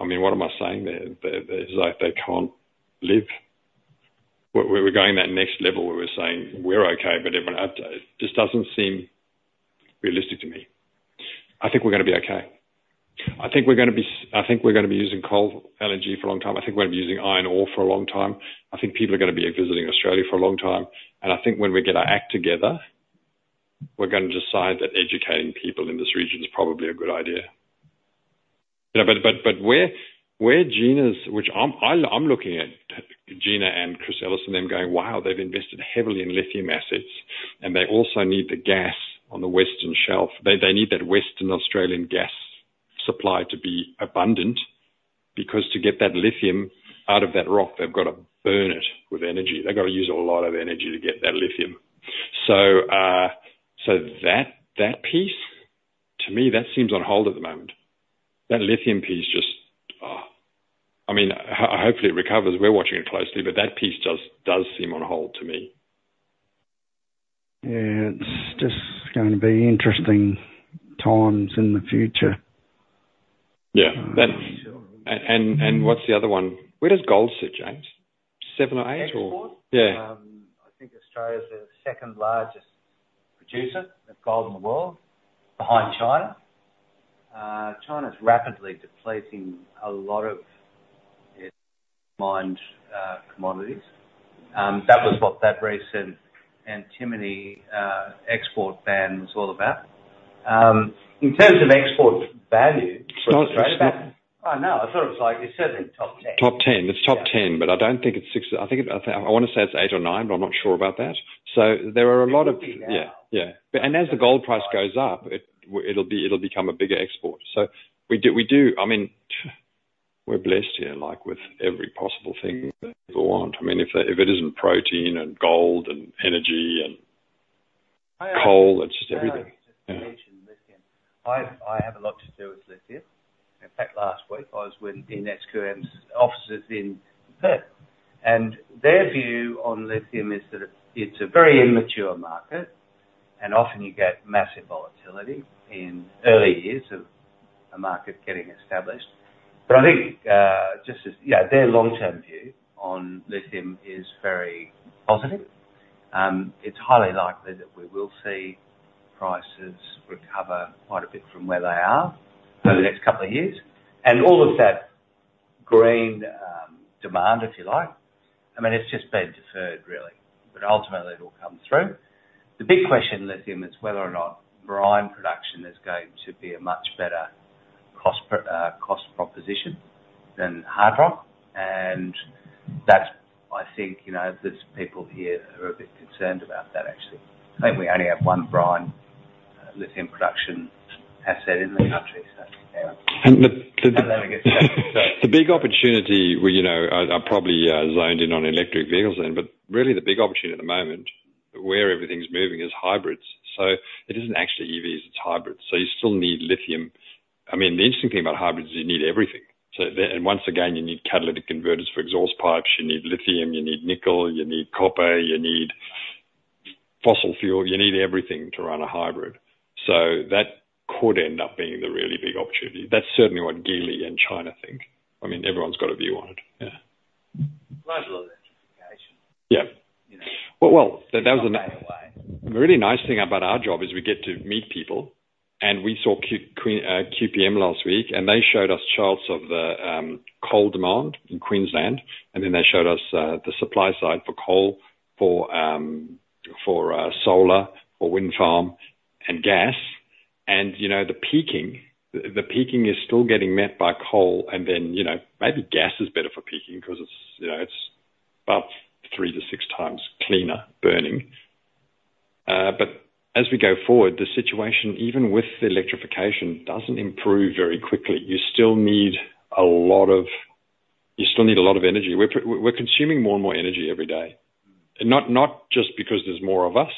I mean, what am I saying there? It's like they can't live. We're going that next level where we're saying, "We're okay," but this doesn't seem realistic to me. I think we're going to be okay. I think we're going to be using coal, LNG for a long time. I think we're going to be using iron ore for a long time. I think people are going to be visiting Australia for a long time. And I think when we get our act together, we're going to decide that educating people in this region is probably a good idea. But where Gina Rinehart's. I'm looking at Gina Rinehart and Chris Ellison and them going, "Wow, they've invested heavily in lithium assets," and they also need the gas on the Western Shelf. They need that Western Australian gas supply to be abundant because to get that lithium out of that rock, they've got to burn it with energy. They've got to use a lot of energy to get that lithium. So that piece, to me, that seems on hold at the moment. That lithium piece just—I mean, hopefully it recovers. We're watching it closely, but that piece does seem on hold to me. Yeah. It's just going to be interesting times in the future. Yeah. And what's the other one? Where does gold sit, James? Seven or eight or? Yeah. I think Australia is the second largest producer of gold in the world, behind China. China is rapidly depleting a lot of its mined commodities. That was what that recent antimony export ban was all about. In terms of export value, for a trade back—Oh, no. I thought it was like it's certainly top 10. Top 10. It's top 10, but I don't think it's. I think I want to say it's eight or nine, but I'm not sure about that. And as the gold price goes up, it'll become a bigger export. So we do. I mean, we're blessed here with every possible thing that people want. I mean, if it isn't protein and gold and energy and coal, it's just everything. I have a lot to do with lithium. In fact, last week, I was with the SQM's officers in Perth, and their view on lithium is that it's a very immature market, and often you get massive volatility in early years of a market getting established. But I think just their long-term view on lithium is very positive. It's highly likely that we will see prices recover quite a bit from where they are over the next couple of years. And all of that green demand, if you like, I mean, it's just been deferred, really. But ultimately, it'll come through. The big question in lithium is whether or not brine production is going to be a much better cost proposition than hard rock. And I think there's people here who are a bit concerned about that, actually. I think we only have one brine lithium production asset in the country, so. And the big opportunity - I probably zoned in on electric vehicles then, but really the big opportunity at the moment where everything's moving is hybrids. So it isn't actually EVs. It's hybrids. So you still need lithium. I mean, the interesting thing about hybrids is you need everything. And once again, you need catalytic converters for exhaust pipes. You need lithium. You need nickel. You need copper. You need fossil fuel. You need everything to run a hybrid. So that could end up being the really big opportunity. That's certainly what Geely and China think. I mean, everyone's got a view on it. Yeah. Glad you looked at the communication. Yeah. Well, that was a really nice thing about our job is we get to meet people. And we saw QPM last week, and they showed us charts of the coal demand in Queensland. And then they showed us the supply side for coal, for solar, for wind farm, and gas. And the peaking is still getting met by coal, and then maybe gas is better for peaking because it's about three-to-six times cleaner burning. But as we go forward, the situation, even with electrification, doesn't improve very quickly. You still need a lot of, you still need a lot of energy. We're consuming more and more energy every day. Not just because there's more of us,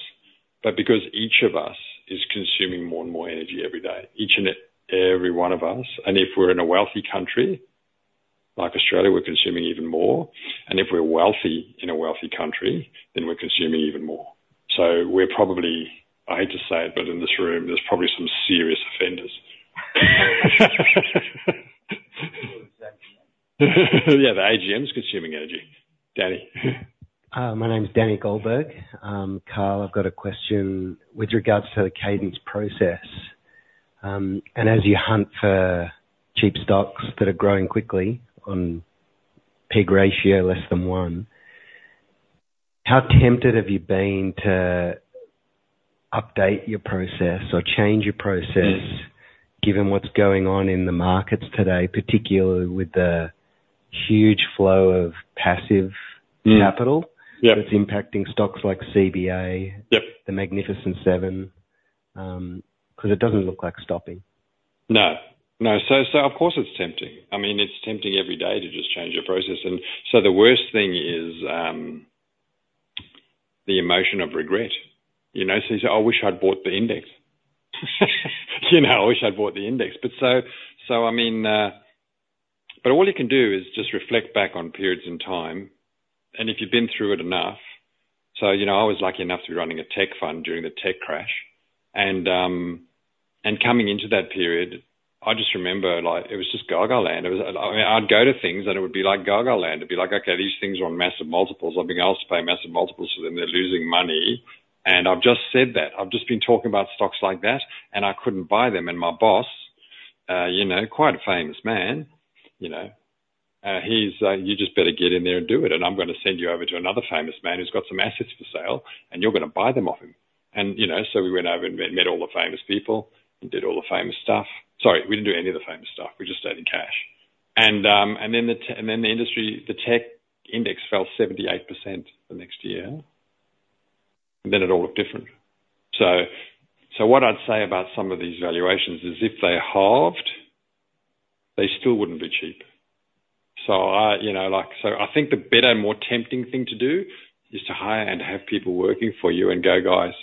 but because each of us is consuming more and more energy every day. Each and every one of us. And if we're in a wealthy country like Australia, we're consuming even more. And if we're wealthy in a wealthy country, then we're consuming even more. So we're probably, I hate to say it, but in this room, there's probably some serious offenders. Yeah. The AGM's consuming energy. Danny. My name's Danny Goldberg. Karl, I've got a question with regards to the Cadence process. And as you hunt for cheap stocks that are growing quickly on PEG ratio less than one, how tempted have you been to update your process or change your process given what's going on in the markets today, particularly with the huge flow of passive capital that's impacting stocks like CBA, the Magnificent Seven, because it doesn't look like stopping. No. No. So of course, it's tempting. I mean, it's tempting every day to just change your process. And so the worst thing is the emotion of regret. So you say, "I wish I'd bought the index. I wish I'd bought the index." But I mean, but all you can do is just reflect back on periods in time. And if you've been through it enough, so I was lucky enough to be running a tech fund during the tech crash. Coming into that period, I just remember it was just go-go land. I mean, I'd go to things, and it would be like go-go land. It'd be like, "Okay, these things are on massive multiples. I've been asked to pay massive multiples for them. They're losing money." And I've just said that. I've just been talking about stocks like that, and I couldn't buy them. And my boss, quite a famous man, he's, "You just better get in there and do it. And I'm going to send you over to another famous man who's got some assets for sale, and you're going to buy them off him." And so we went over and met all the famous people and did all the famous stuff. Sorry, we didn't do any of the famous stuff. We just stayed in cash. Then the industry, the tech index fell 78% the next year. Then it all looked different. What I'd say about some of these valuations is if they halved, they still wouldn't be cheap. I think the better, more tempting thing to do is to hire and have people working for you and go, "Guys,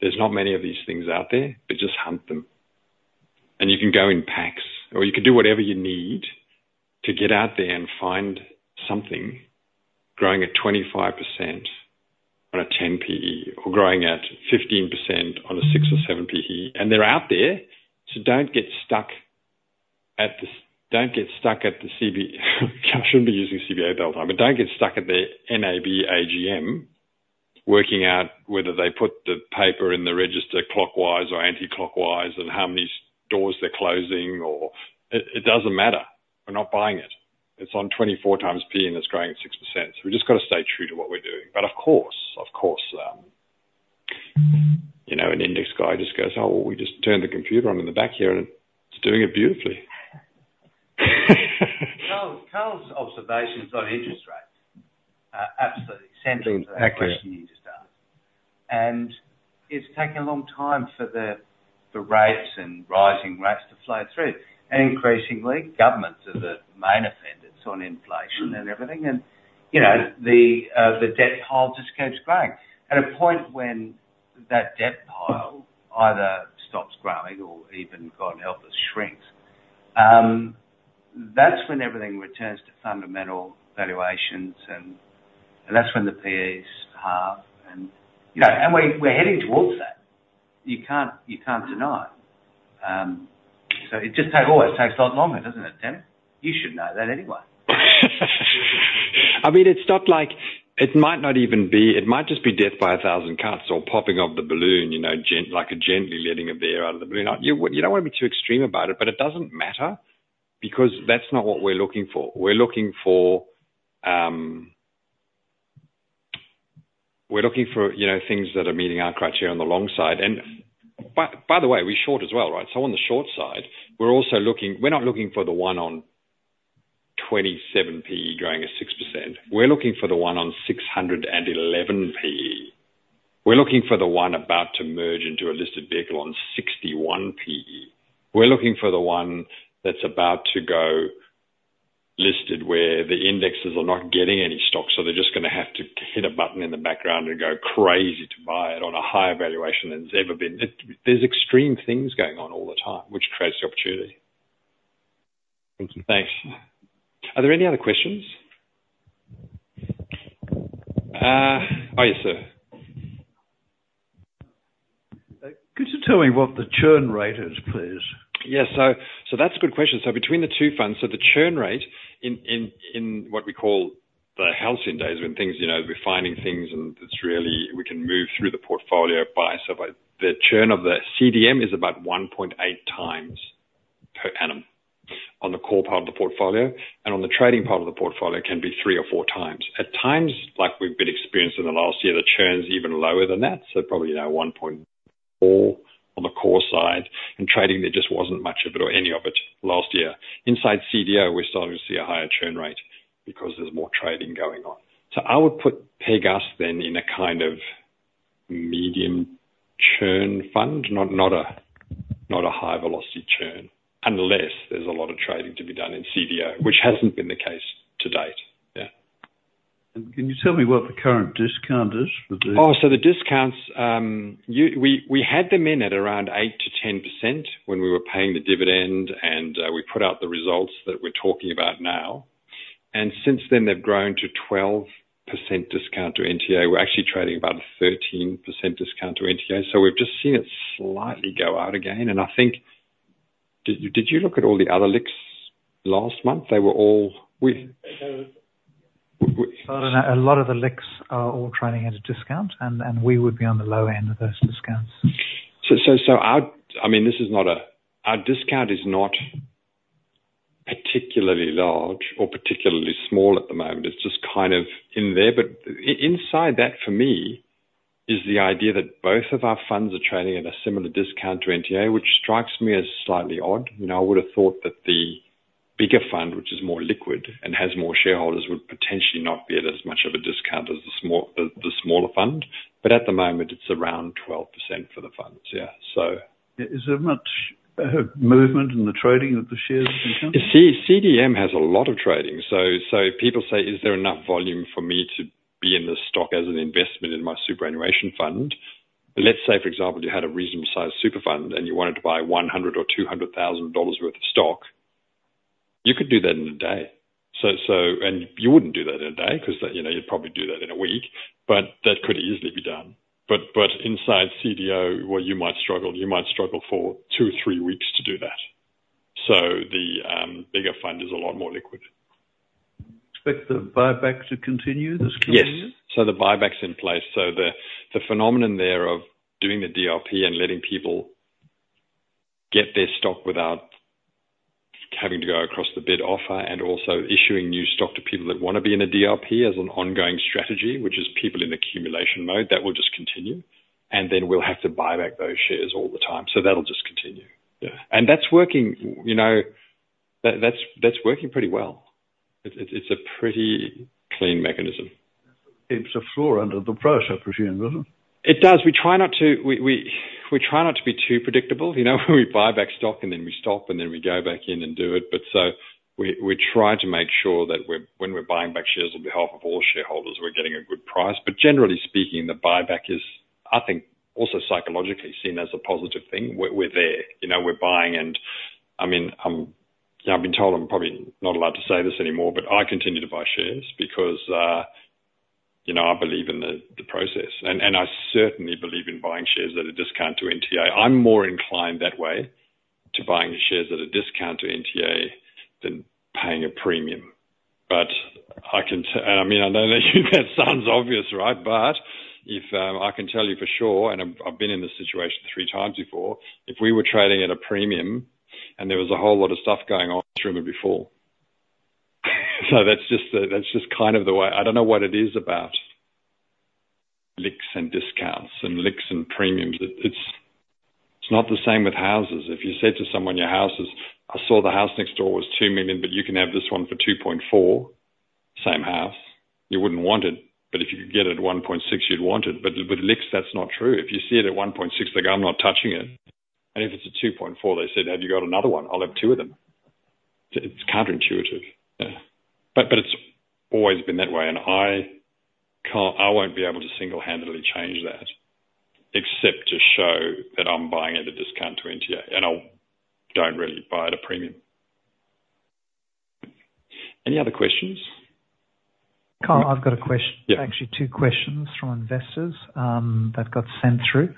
there's not many of these things out there. Just hunt them." You can go in packs, or you can do whatever you need to get out there and find something growing at 25% on a 10 PE or growing at 15% on a 6 or 7 PE. They're out there, so don't get stuck at the CBA. I shouldn't be using CBA the whole time. But don't get stuck at the NAB AGM working out whether they put the paper in the register clockwise or counterclockwise and how many doors they're closing, or it doesn't matter. We're not buying it. It's on 24 times P, and it's growing at 6%. So we've just got to stay true to what we're doing. But of course, of course, an index guy just goes, "Oh, we just turned the computer on in the back here, and it's doing it beautifully." Karl's observations on interest rates absolutely central to the question you just asked. And it's taken a long time for the rates and rising rates to flow through. And increasingly, governments are the main offenders on inflation and everything. And the debt pile just keeps growing. At a point when that debt pile either stops growing or even, God help us, shrinks, that's when everything returns to fundamental valuations, and that's when the PEs halve. And we're heading towards that. You can't deny it. So it just takes a lot longer, doesn't it, Danny? You should know that anyway. I mean, it's not like it might not even be. It might just be death by a thousand cuts or popping of the balloon, like gently letting the air out of the balloon. You don't want to be too extreme about it, but it doesn't matter because that's not what we're looking for. We're looking for things that are meeting our criteria on the long side. And by the way, we're short as well, right? So on the short side, we're not looking for the one on 27 PE growing at 6%. We're looking for the one on 611 PE. We're looking for the one about to merge into a listed vehicle on 61 PE. We're looking for the one that's about to go listed where the indexes are not getting any stock, so they're just going to have to hit a button in the background and go crazy to buy it on a higher valuation than it's ever been. There's extreme things going on all the time, which creates the opportunity. Thank you. Thanks. Are there any other questions? Oh, yes, sir. Could you tell me what the churn rate is, please? Yeah. So that's a good question. Between the two funds, the churn rate in what we call the holding days, when we're finding things and we can move through the portfolio by, the churn of the CDM is about 1.8 times per annum on the core part of the portfolio, and on the trading part of the portfolio, it can be three or four times. At times, like we've been experiencing in the last year, the churn's even lower than that. Probably now 1.4 on the core side. Trading, there just wasn't much of it or any of it last year. Inside CDO, we're starting to see a higher churn rate because there's more trading going on. I would put Pegas then in a kind of medium churn fund, not a high-velocity churn, unless there's a lot of trading to be done in CDO, which hasn't been the case to date. Yeah. Can you tell me what the current discount is for the? Oh, so the discounts, we had them in at around 8%-10% when we were paying the dividend, and we put out the results that we're talking about now. And since then, they've grown to 12% discount to NTA. We're actually trading about a 13% discount to NTA. So we've just seen it slightly go out again. And I think, did you look at all the other LICs last month? They were all - I don't know. A lot of the LICs are all trading at a discount, and we would be on the low end of those discounts. So I mean, this is not a - our discount is not particularly large or particularly small at the moment. It's just kind of in there. But inside that, for me, is the idea that both of our funds are trading at a similar discount to NTA, which strikes me as slightly odd. I would have thought that the bigger fund, which is more liquid and has more shareholders, would potentially not be at as much of a discount as the smaller fund. But at the moment, it's around 12% for the funds. Yeah. So is there much movement in the trading of the shares? CDM has a lot of trading. So people say, "Is there enough volume for me to be in this stock as an investment in my superannuation fund?" Let's say, for example, you had a reasonable size super fund, and you wanted to buy 100,000-200,000 dollars worth of stock. You could do that in a day. You wouldn't do that in a day because you'd probably do that in a week, but that could easily be done. But inside CDO, well, you might struggle. You might struggle for two, three weeks to do that. So the bigger fund is a lot more liquid. Expect the buyback to continue this coming year? Yes. So the buyback's in place. So the phenomenon there of doing the DRP and letting people get their stock without having to go across the bid offer and also issuing new stock to people that want to be in a DRP as an ongoing strategy, which is people in accumulation mode, that will just continue. And then we'll have to buy back those shares all the time. So that'll just continue. Yeah. And that's working pretty well. It's a pretty clean mechanism. It's a floor under the price opportunity, isn't it? It does. We try not to be too predictable. We buy back stock, and then we stop, and then we go back in and do it. But we try to make sure that when we're buying back shares on behalf of all shareholders, we're getting a good price. But generally speaking, the buyback is, I think, also psychologically seen as a positive thing. We're there. We're buying. And I mean, I've been told I'm probably not allowed to say this anymore, but I continue to buy shares because I believe in the process. And I certainly believe in buying shares at a discount to NTA. I'm more inclined that way to buying shares at a discount to NTA than paying a premium. But I can tell, I mean, I know that sounds obvious, right? But I can tell you for sure, and I've been in this situation three times before, if we were trading at a premium and there was a whole lot of stuff going on through them before. So that's just kind of the way. I don't know what it is about LICs and discounts and LICs and premiums. It's not the same with houses. If you said to someone, "Your house is, I saw the house next door was 2 million, but you can have this one for 2.4, same house." You wouldn't want it, but if you could get it at 1.6, you'd want it. But with LICs, that's not true. If you see it at 1.6, they go, "I'm not touching it." And if it's a 2.4, they said, "Have you got another one? I'll have two of them." It's counterintuitive. Yeah. But it's always been that way. I won't be able to single-handedly change that except to show that I'm buying at a discount to NTA, and I don't really buy at a premium. Any other questions? Karl, I've got a question. Actually, two questions from investors that got sent through.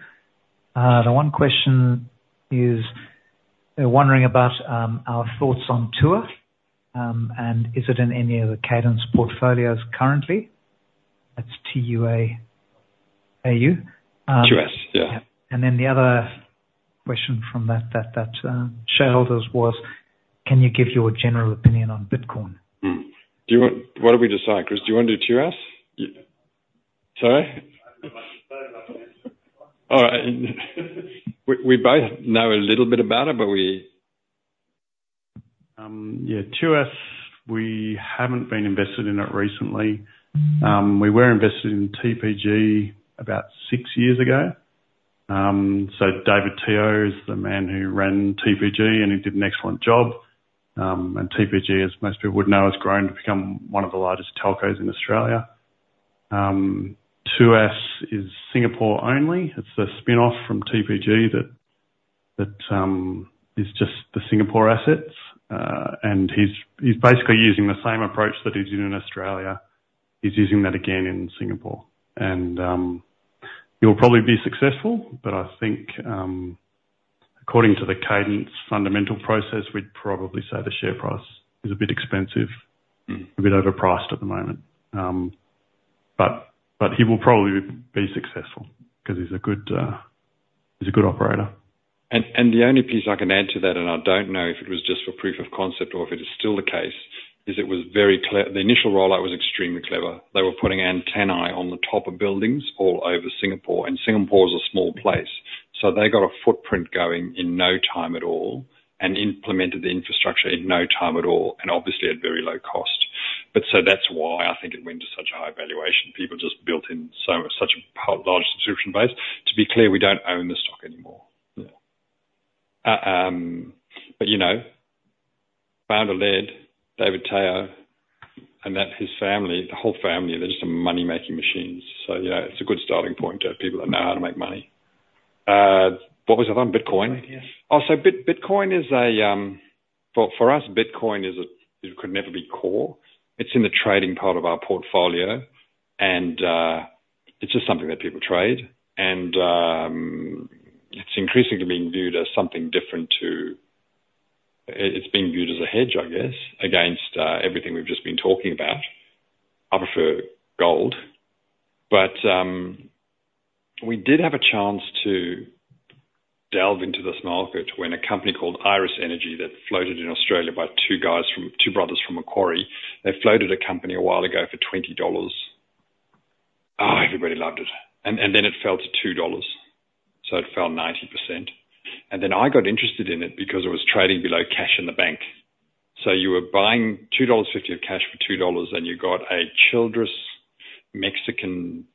The one question is they're wondering about our thoughts on Tuas and is it in any of the cadence portfolios currently. That's T-U-A. A-U. Tuas. Yeah. And then the other question from that shareholder was, "Can you give your general opinion on Bitcoin?" What did we decide, Chris? Do you want to do Tuas? Sorry. All right. We both know a little bit about it, but we, yeah. Tuas, we haven't been invested in it recently. We were invested in TPG about six years ago. So David Teoh is the man who ran TPG, and he did an excellent job. TPG, as most people would know, has grown to become one of the largest telcos in Australia. Tuas is Singapore only. It's a spinoff from TPG that is just the Singapore assets. He's basically using the same approach that he did in Australia. He's using that again in Singapore. He will probably be successful, but I think according to the Cadence fundamental process, we'd probably say the share price is a bit expensive, a bit overpriced at the moment. He will probably be successful because he's a good operator. The only piece I can add to that, and I don't know if it was just for proof of concept or if it is still the case, is it was very clear. The initial rollout was extremely clever. They were putting antennas on the top of buildings all over Singapore. Singapore is a small place. So they got a footprint going in no time at all and implemented the infrastructure in no time at all, and obviously at very low cost. But that's why I think it went to such a high valuation. People just built in such a large subscription base. To be clear, we don't own the stock anymore. But founder-led, David Teoh and his family, the whole family, they're just money-making machines. So it's a good starting point to have people that know how to make money. What was I on Bitcoin? Yes. Oh, so Bitcoin is a—for us, Bitcoin could never be core. It's in the trading part of our portfolio, and it's just something that people trade. And it's increasingly being viewed as something different to—it's being viewed as a hedge, I guess, against everything we've just been talking about. I prefer gold. But we did have a chance to delve into this market when a company called Iris Energy that floated in Australia by two brothers from Macquarie. They floated a company a while ago for $20. Everybody loved it. And then it fell to $2. So it fell 90%. And then I got interested in it because it was trading below cash in the bank. So you were buying $2.50 of cash for $2, and you got a Childress, Texas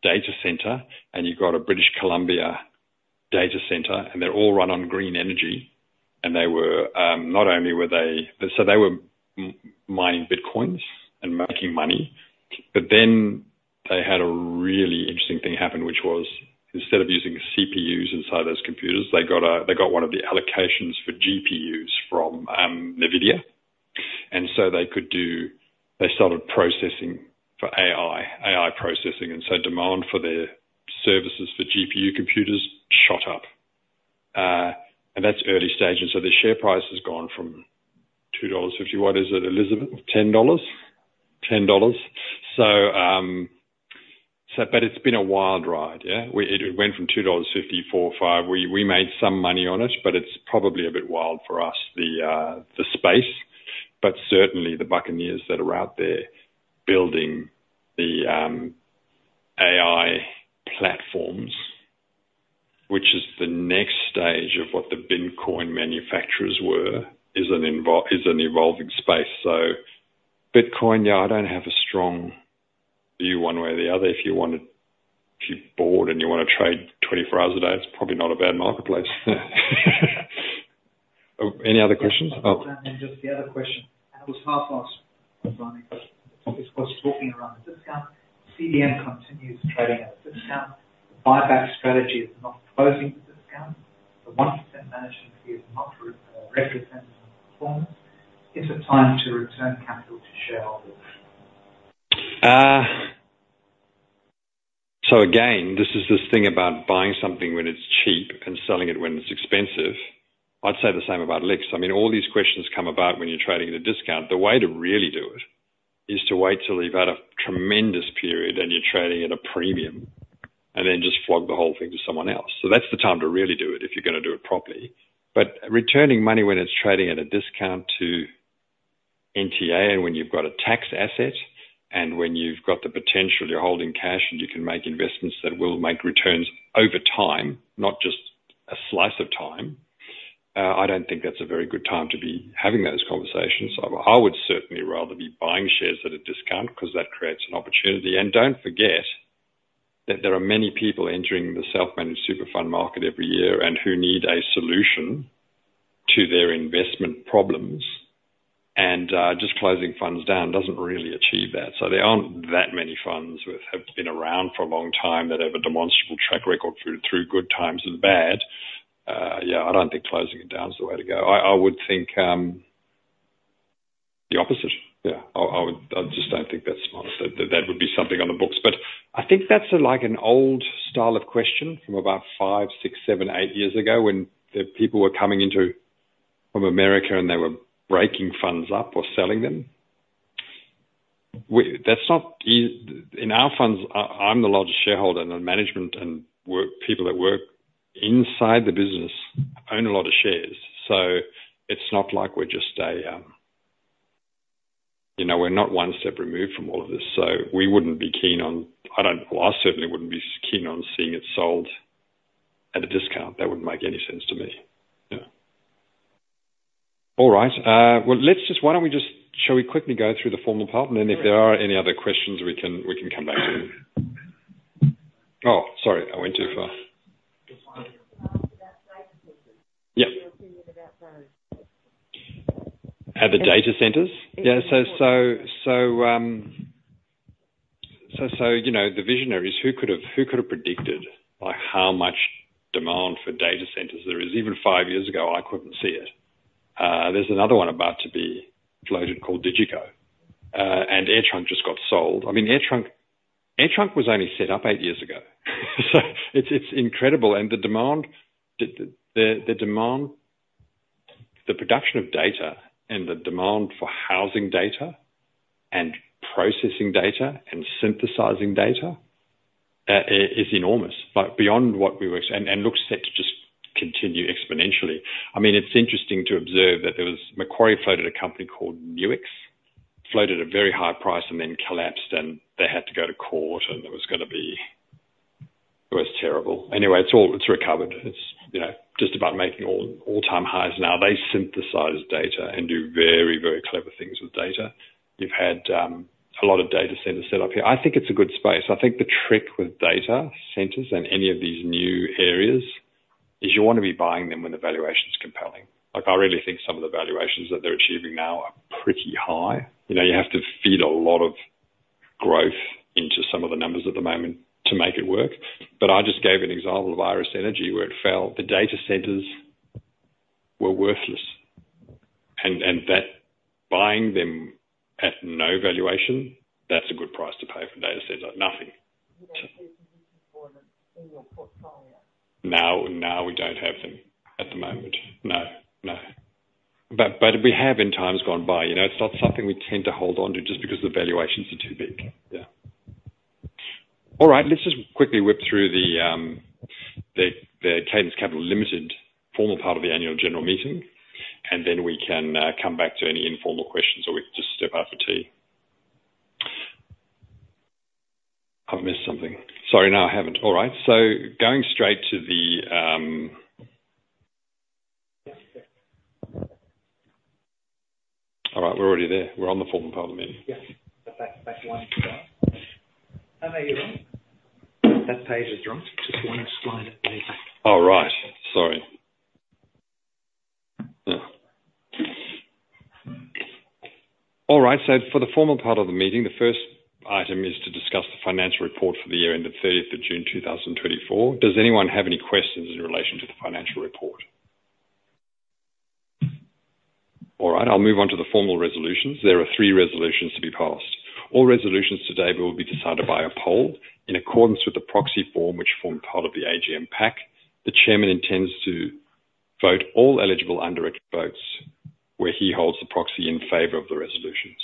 data center, and you got a British Columbia data center, and they're all run on green energy. And not only were they so they were mining bitcoins and making money, but then they had a really interesting thing happen, which was instead of using CPUs inside those computers, they got one of the allocations for GPUs from Nvidia. And so they started processing for AI, AI processing. Demand for their services for GPU computers shot up. That's early stage. The share price has gone from $2.50. What is it, Elizabeth? $10? $10. But it's been a wild ride. Yeah. It went from $2.50, $4.50. We made some money on it, but it's probably a bit wild for us, the space. But certainly, the buccaneers that are out there building the AI platforms, which is the next stage of what the Bitcoin manufacturers were, is an evolving space. Bitcoin, yeah, I don't have a strong view one way or the other. If you're bored and you want to trade 24 hours a day, it's probably not a bad marketplace. Any other questions? Just the other question. I was half asked regarding this was talking around the discount. CDM continues trading at a discount. The buyback strategy is not closing the discount. The 1% management fee is not representative of performance. Is it time to return capital to shareholders? So again, this is this thing about buying something when it's cheap and selling it when it's expensive. I'd say the same about LICs. I mean, all these questions come about when you're trading at a discount. The way to really do it is to wait till you've had a tremendous period and you're trading at a premium and then just flog the whole thing to someone else. So that's the time to really do it if you're going to do it properly. Returning money when it's trading at a discount to NTA and when you've got a tax asset and when you've got the potential, you're holding cash and you can make investments that will make returns over time, not just a slice of time. I don't think that's a very good time to be having those conversations. I would certainly rather be buying shares at a discount because that creates an opportunity. Don't forget that there are many people entering the self-managed super fund market every year and who need a solution to their investment problems. Just closing funds down doesn't really achieve that. There aren't that many funds that have been around for a long time that have a demonstrable track record through good times and bad. Yeah, I don't think closing it down is the way to go. I would think the opposite. Yeah. I just don't think that's smart. That would be something on the books. But I think that's like an old style of question from about five, six, seven, eight years ago when people were coming in from America and they were breaking funds up or selling them. In our funds, I'm the largest shareholder and the management and people that work inside the business own a lot of shares. So it's not like we're just a, we're not one step removed from all of this. So we wouldn't be keen on, I certainly wouldn't be keen on seeing it sold at a discount. That wouldn't make any sense to me. Yeah. All right. Well, why don't we just, shall we quickly go through the formal part? And then if there are any other questions, we can come back to them. Oh, sorry. I went too far. Yeah. At the data centers? Yeah. So the visionary is who could have predicted how much demand for data centers there is? Even five years ago, I couldn't see it. There's another one about to be floated called DigiCo. And AirTrunk just got sold. I mean, AirTrunk was only set up eight years ago. So it's incredible. And the demand, the production of data and the demand for housing data and processing data and synthesizing data is enormous, beyond what we were and looks set to just continue exponentially. I mean, it's interesting to observe that there was Macquarie floated a company called Nuix, floated at a very high price and then collapsed, and they had to go to court, and it was going to be. It was terrible. Anyway, it's recovered. It's just about making all-time highs. Now, they synthesize data and do very, very clever things with data. You've had a lot of data centers set up here. I think it's a good space. I think the trick with data centers and any of these new areas is you want to be buying them when the valuation is compelling. I really think some of the valuations that they're achieving now are pretty high. You have to feed a lot of growth into some of the numbers at the moment to make it work, but I just gave an example of Iris Energy where it fell. The data centers were worthless, and buying them at no valuation, that's a good price to pay for data centers. Nothing. What is the reason for them in your portfolio? Now we don't have them at the moment. No. No, but we have in times gone by. It's not something we tend to hold on to just because the valuations are too big. Yeah. All right. Let's just quickly whip through the Cadence Capital Limited formal part of the annual general meeting, and then we can come back to any informal questions or we can just step out for tea. I've missed something. Sorry, no, I haven't. All right. So going straight to the. Yes. Yes. All right. We're already there. We're on the formal part of the meeting. Yes. Back one. Am I here wrong? That page is wrong. Just one slide at the back. All right. Sorry. Yeah. All right. So for the formal part of the meeting, the first item is to discuss the financial report for the year ended 30th of June 2024. Does anyone have any questions in relation to the financial report? All right. I'll move on to the formal resolutions. There are three resolutions to be passed. All resolutions today will be decided by a poll in accordance with the proxy form, which formed part of the AGM pack. The chairman intends to vote all eligible undirected votes where he holds the proxy in favor of the resolutions.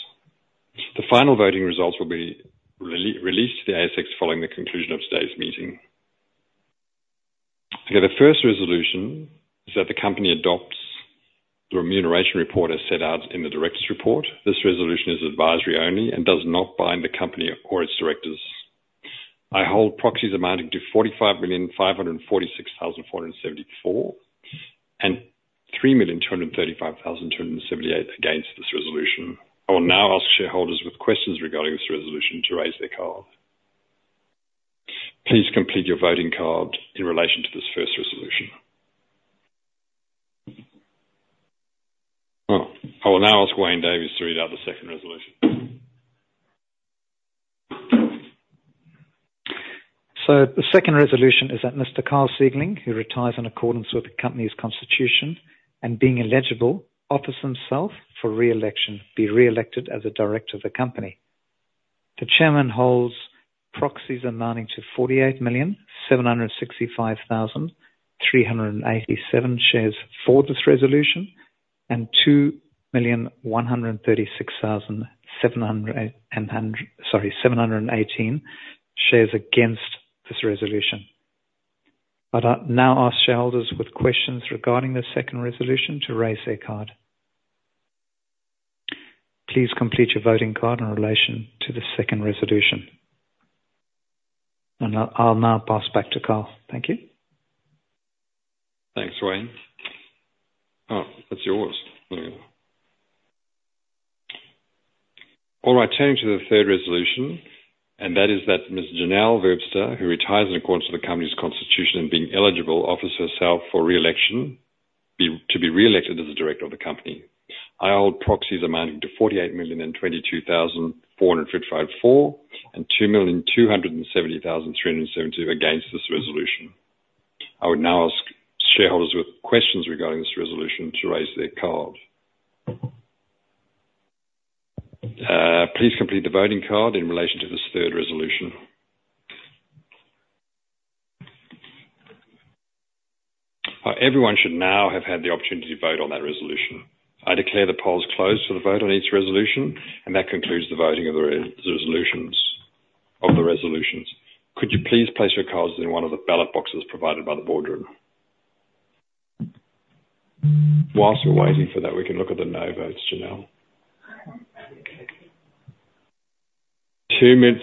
The final voting results will be released to the ASX following the conclusion of today's meeting. Okay. The first resolution is that the company adopts the remuneration report as set out in the director's report. This resolution is advisory only and does not bind the company or its directors. I hold proxies amounting to 45,546,474 and 3,235,278 against this resolution. I will now ask shareholders with questions regarding this resolution to raise their card. Please complete your voting card in relation to this first resolution. I will now ask Wayne Davies to read out the second resolution. So the second resolution is that Mr. Karl Siegling, who retires in accordance with the company's constitution and being eligible, offers himself for re-election, be re-elected as a director of the company. The chairman holds proxies amounting to 48,765,387 shares for this resolution and 2,136,718 shares against this resolution. I now ask shareholders with questions regarding the second resolution to raise their card. Please complete your voting card in relation to the second resolution. I'll now pass back to Karl. Thank you. Thanks, Wayne. Oh, that's yours. There you go. All right. Turning to the third resolution, that is that Ms. Jenelle Webster, who retires in accordance with the company's constitution and being eligible, offers herself for re-election to be re-elected as a director of the company. I hold proxies amounting to 48,022,455 for and 2,270,372 against this resolution. I would now ask shareholders with questions regarding this resolution to raise their card. Please complete the voting card in relation to this third resolution. Everyone should now have had the opportunity to vote on that resolution. I declare the polls closed for the vote on each resolution, and that concludes the voting of the resolutions. Could you please place your cards in one of the ballot boxes provided by the boardroom? Whilst we're waiting for that, we can look at the no votes, Janelle. Too many.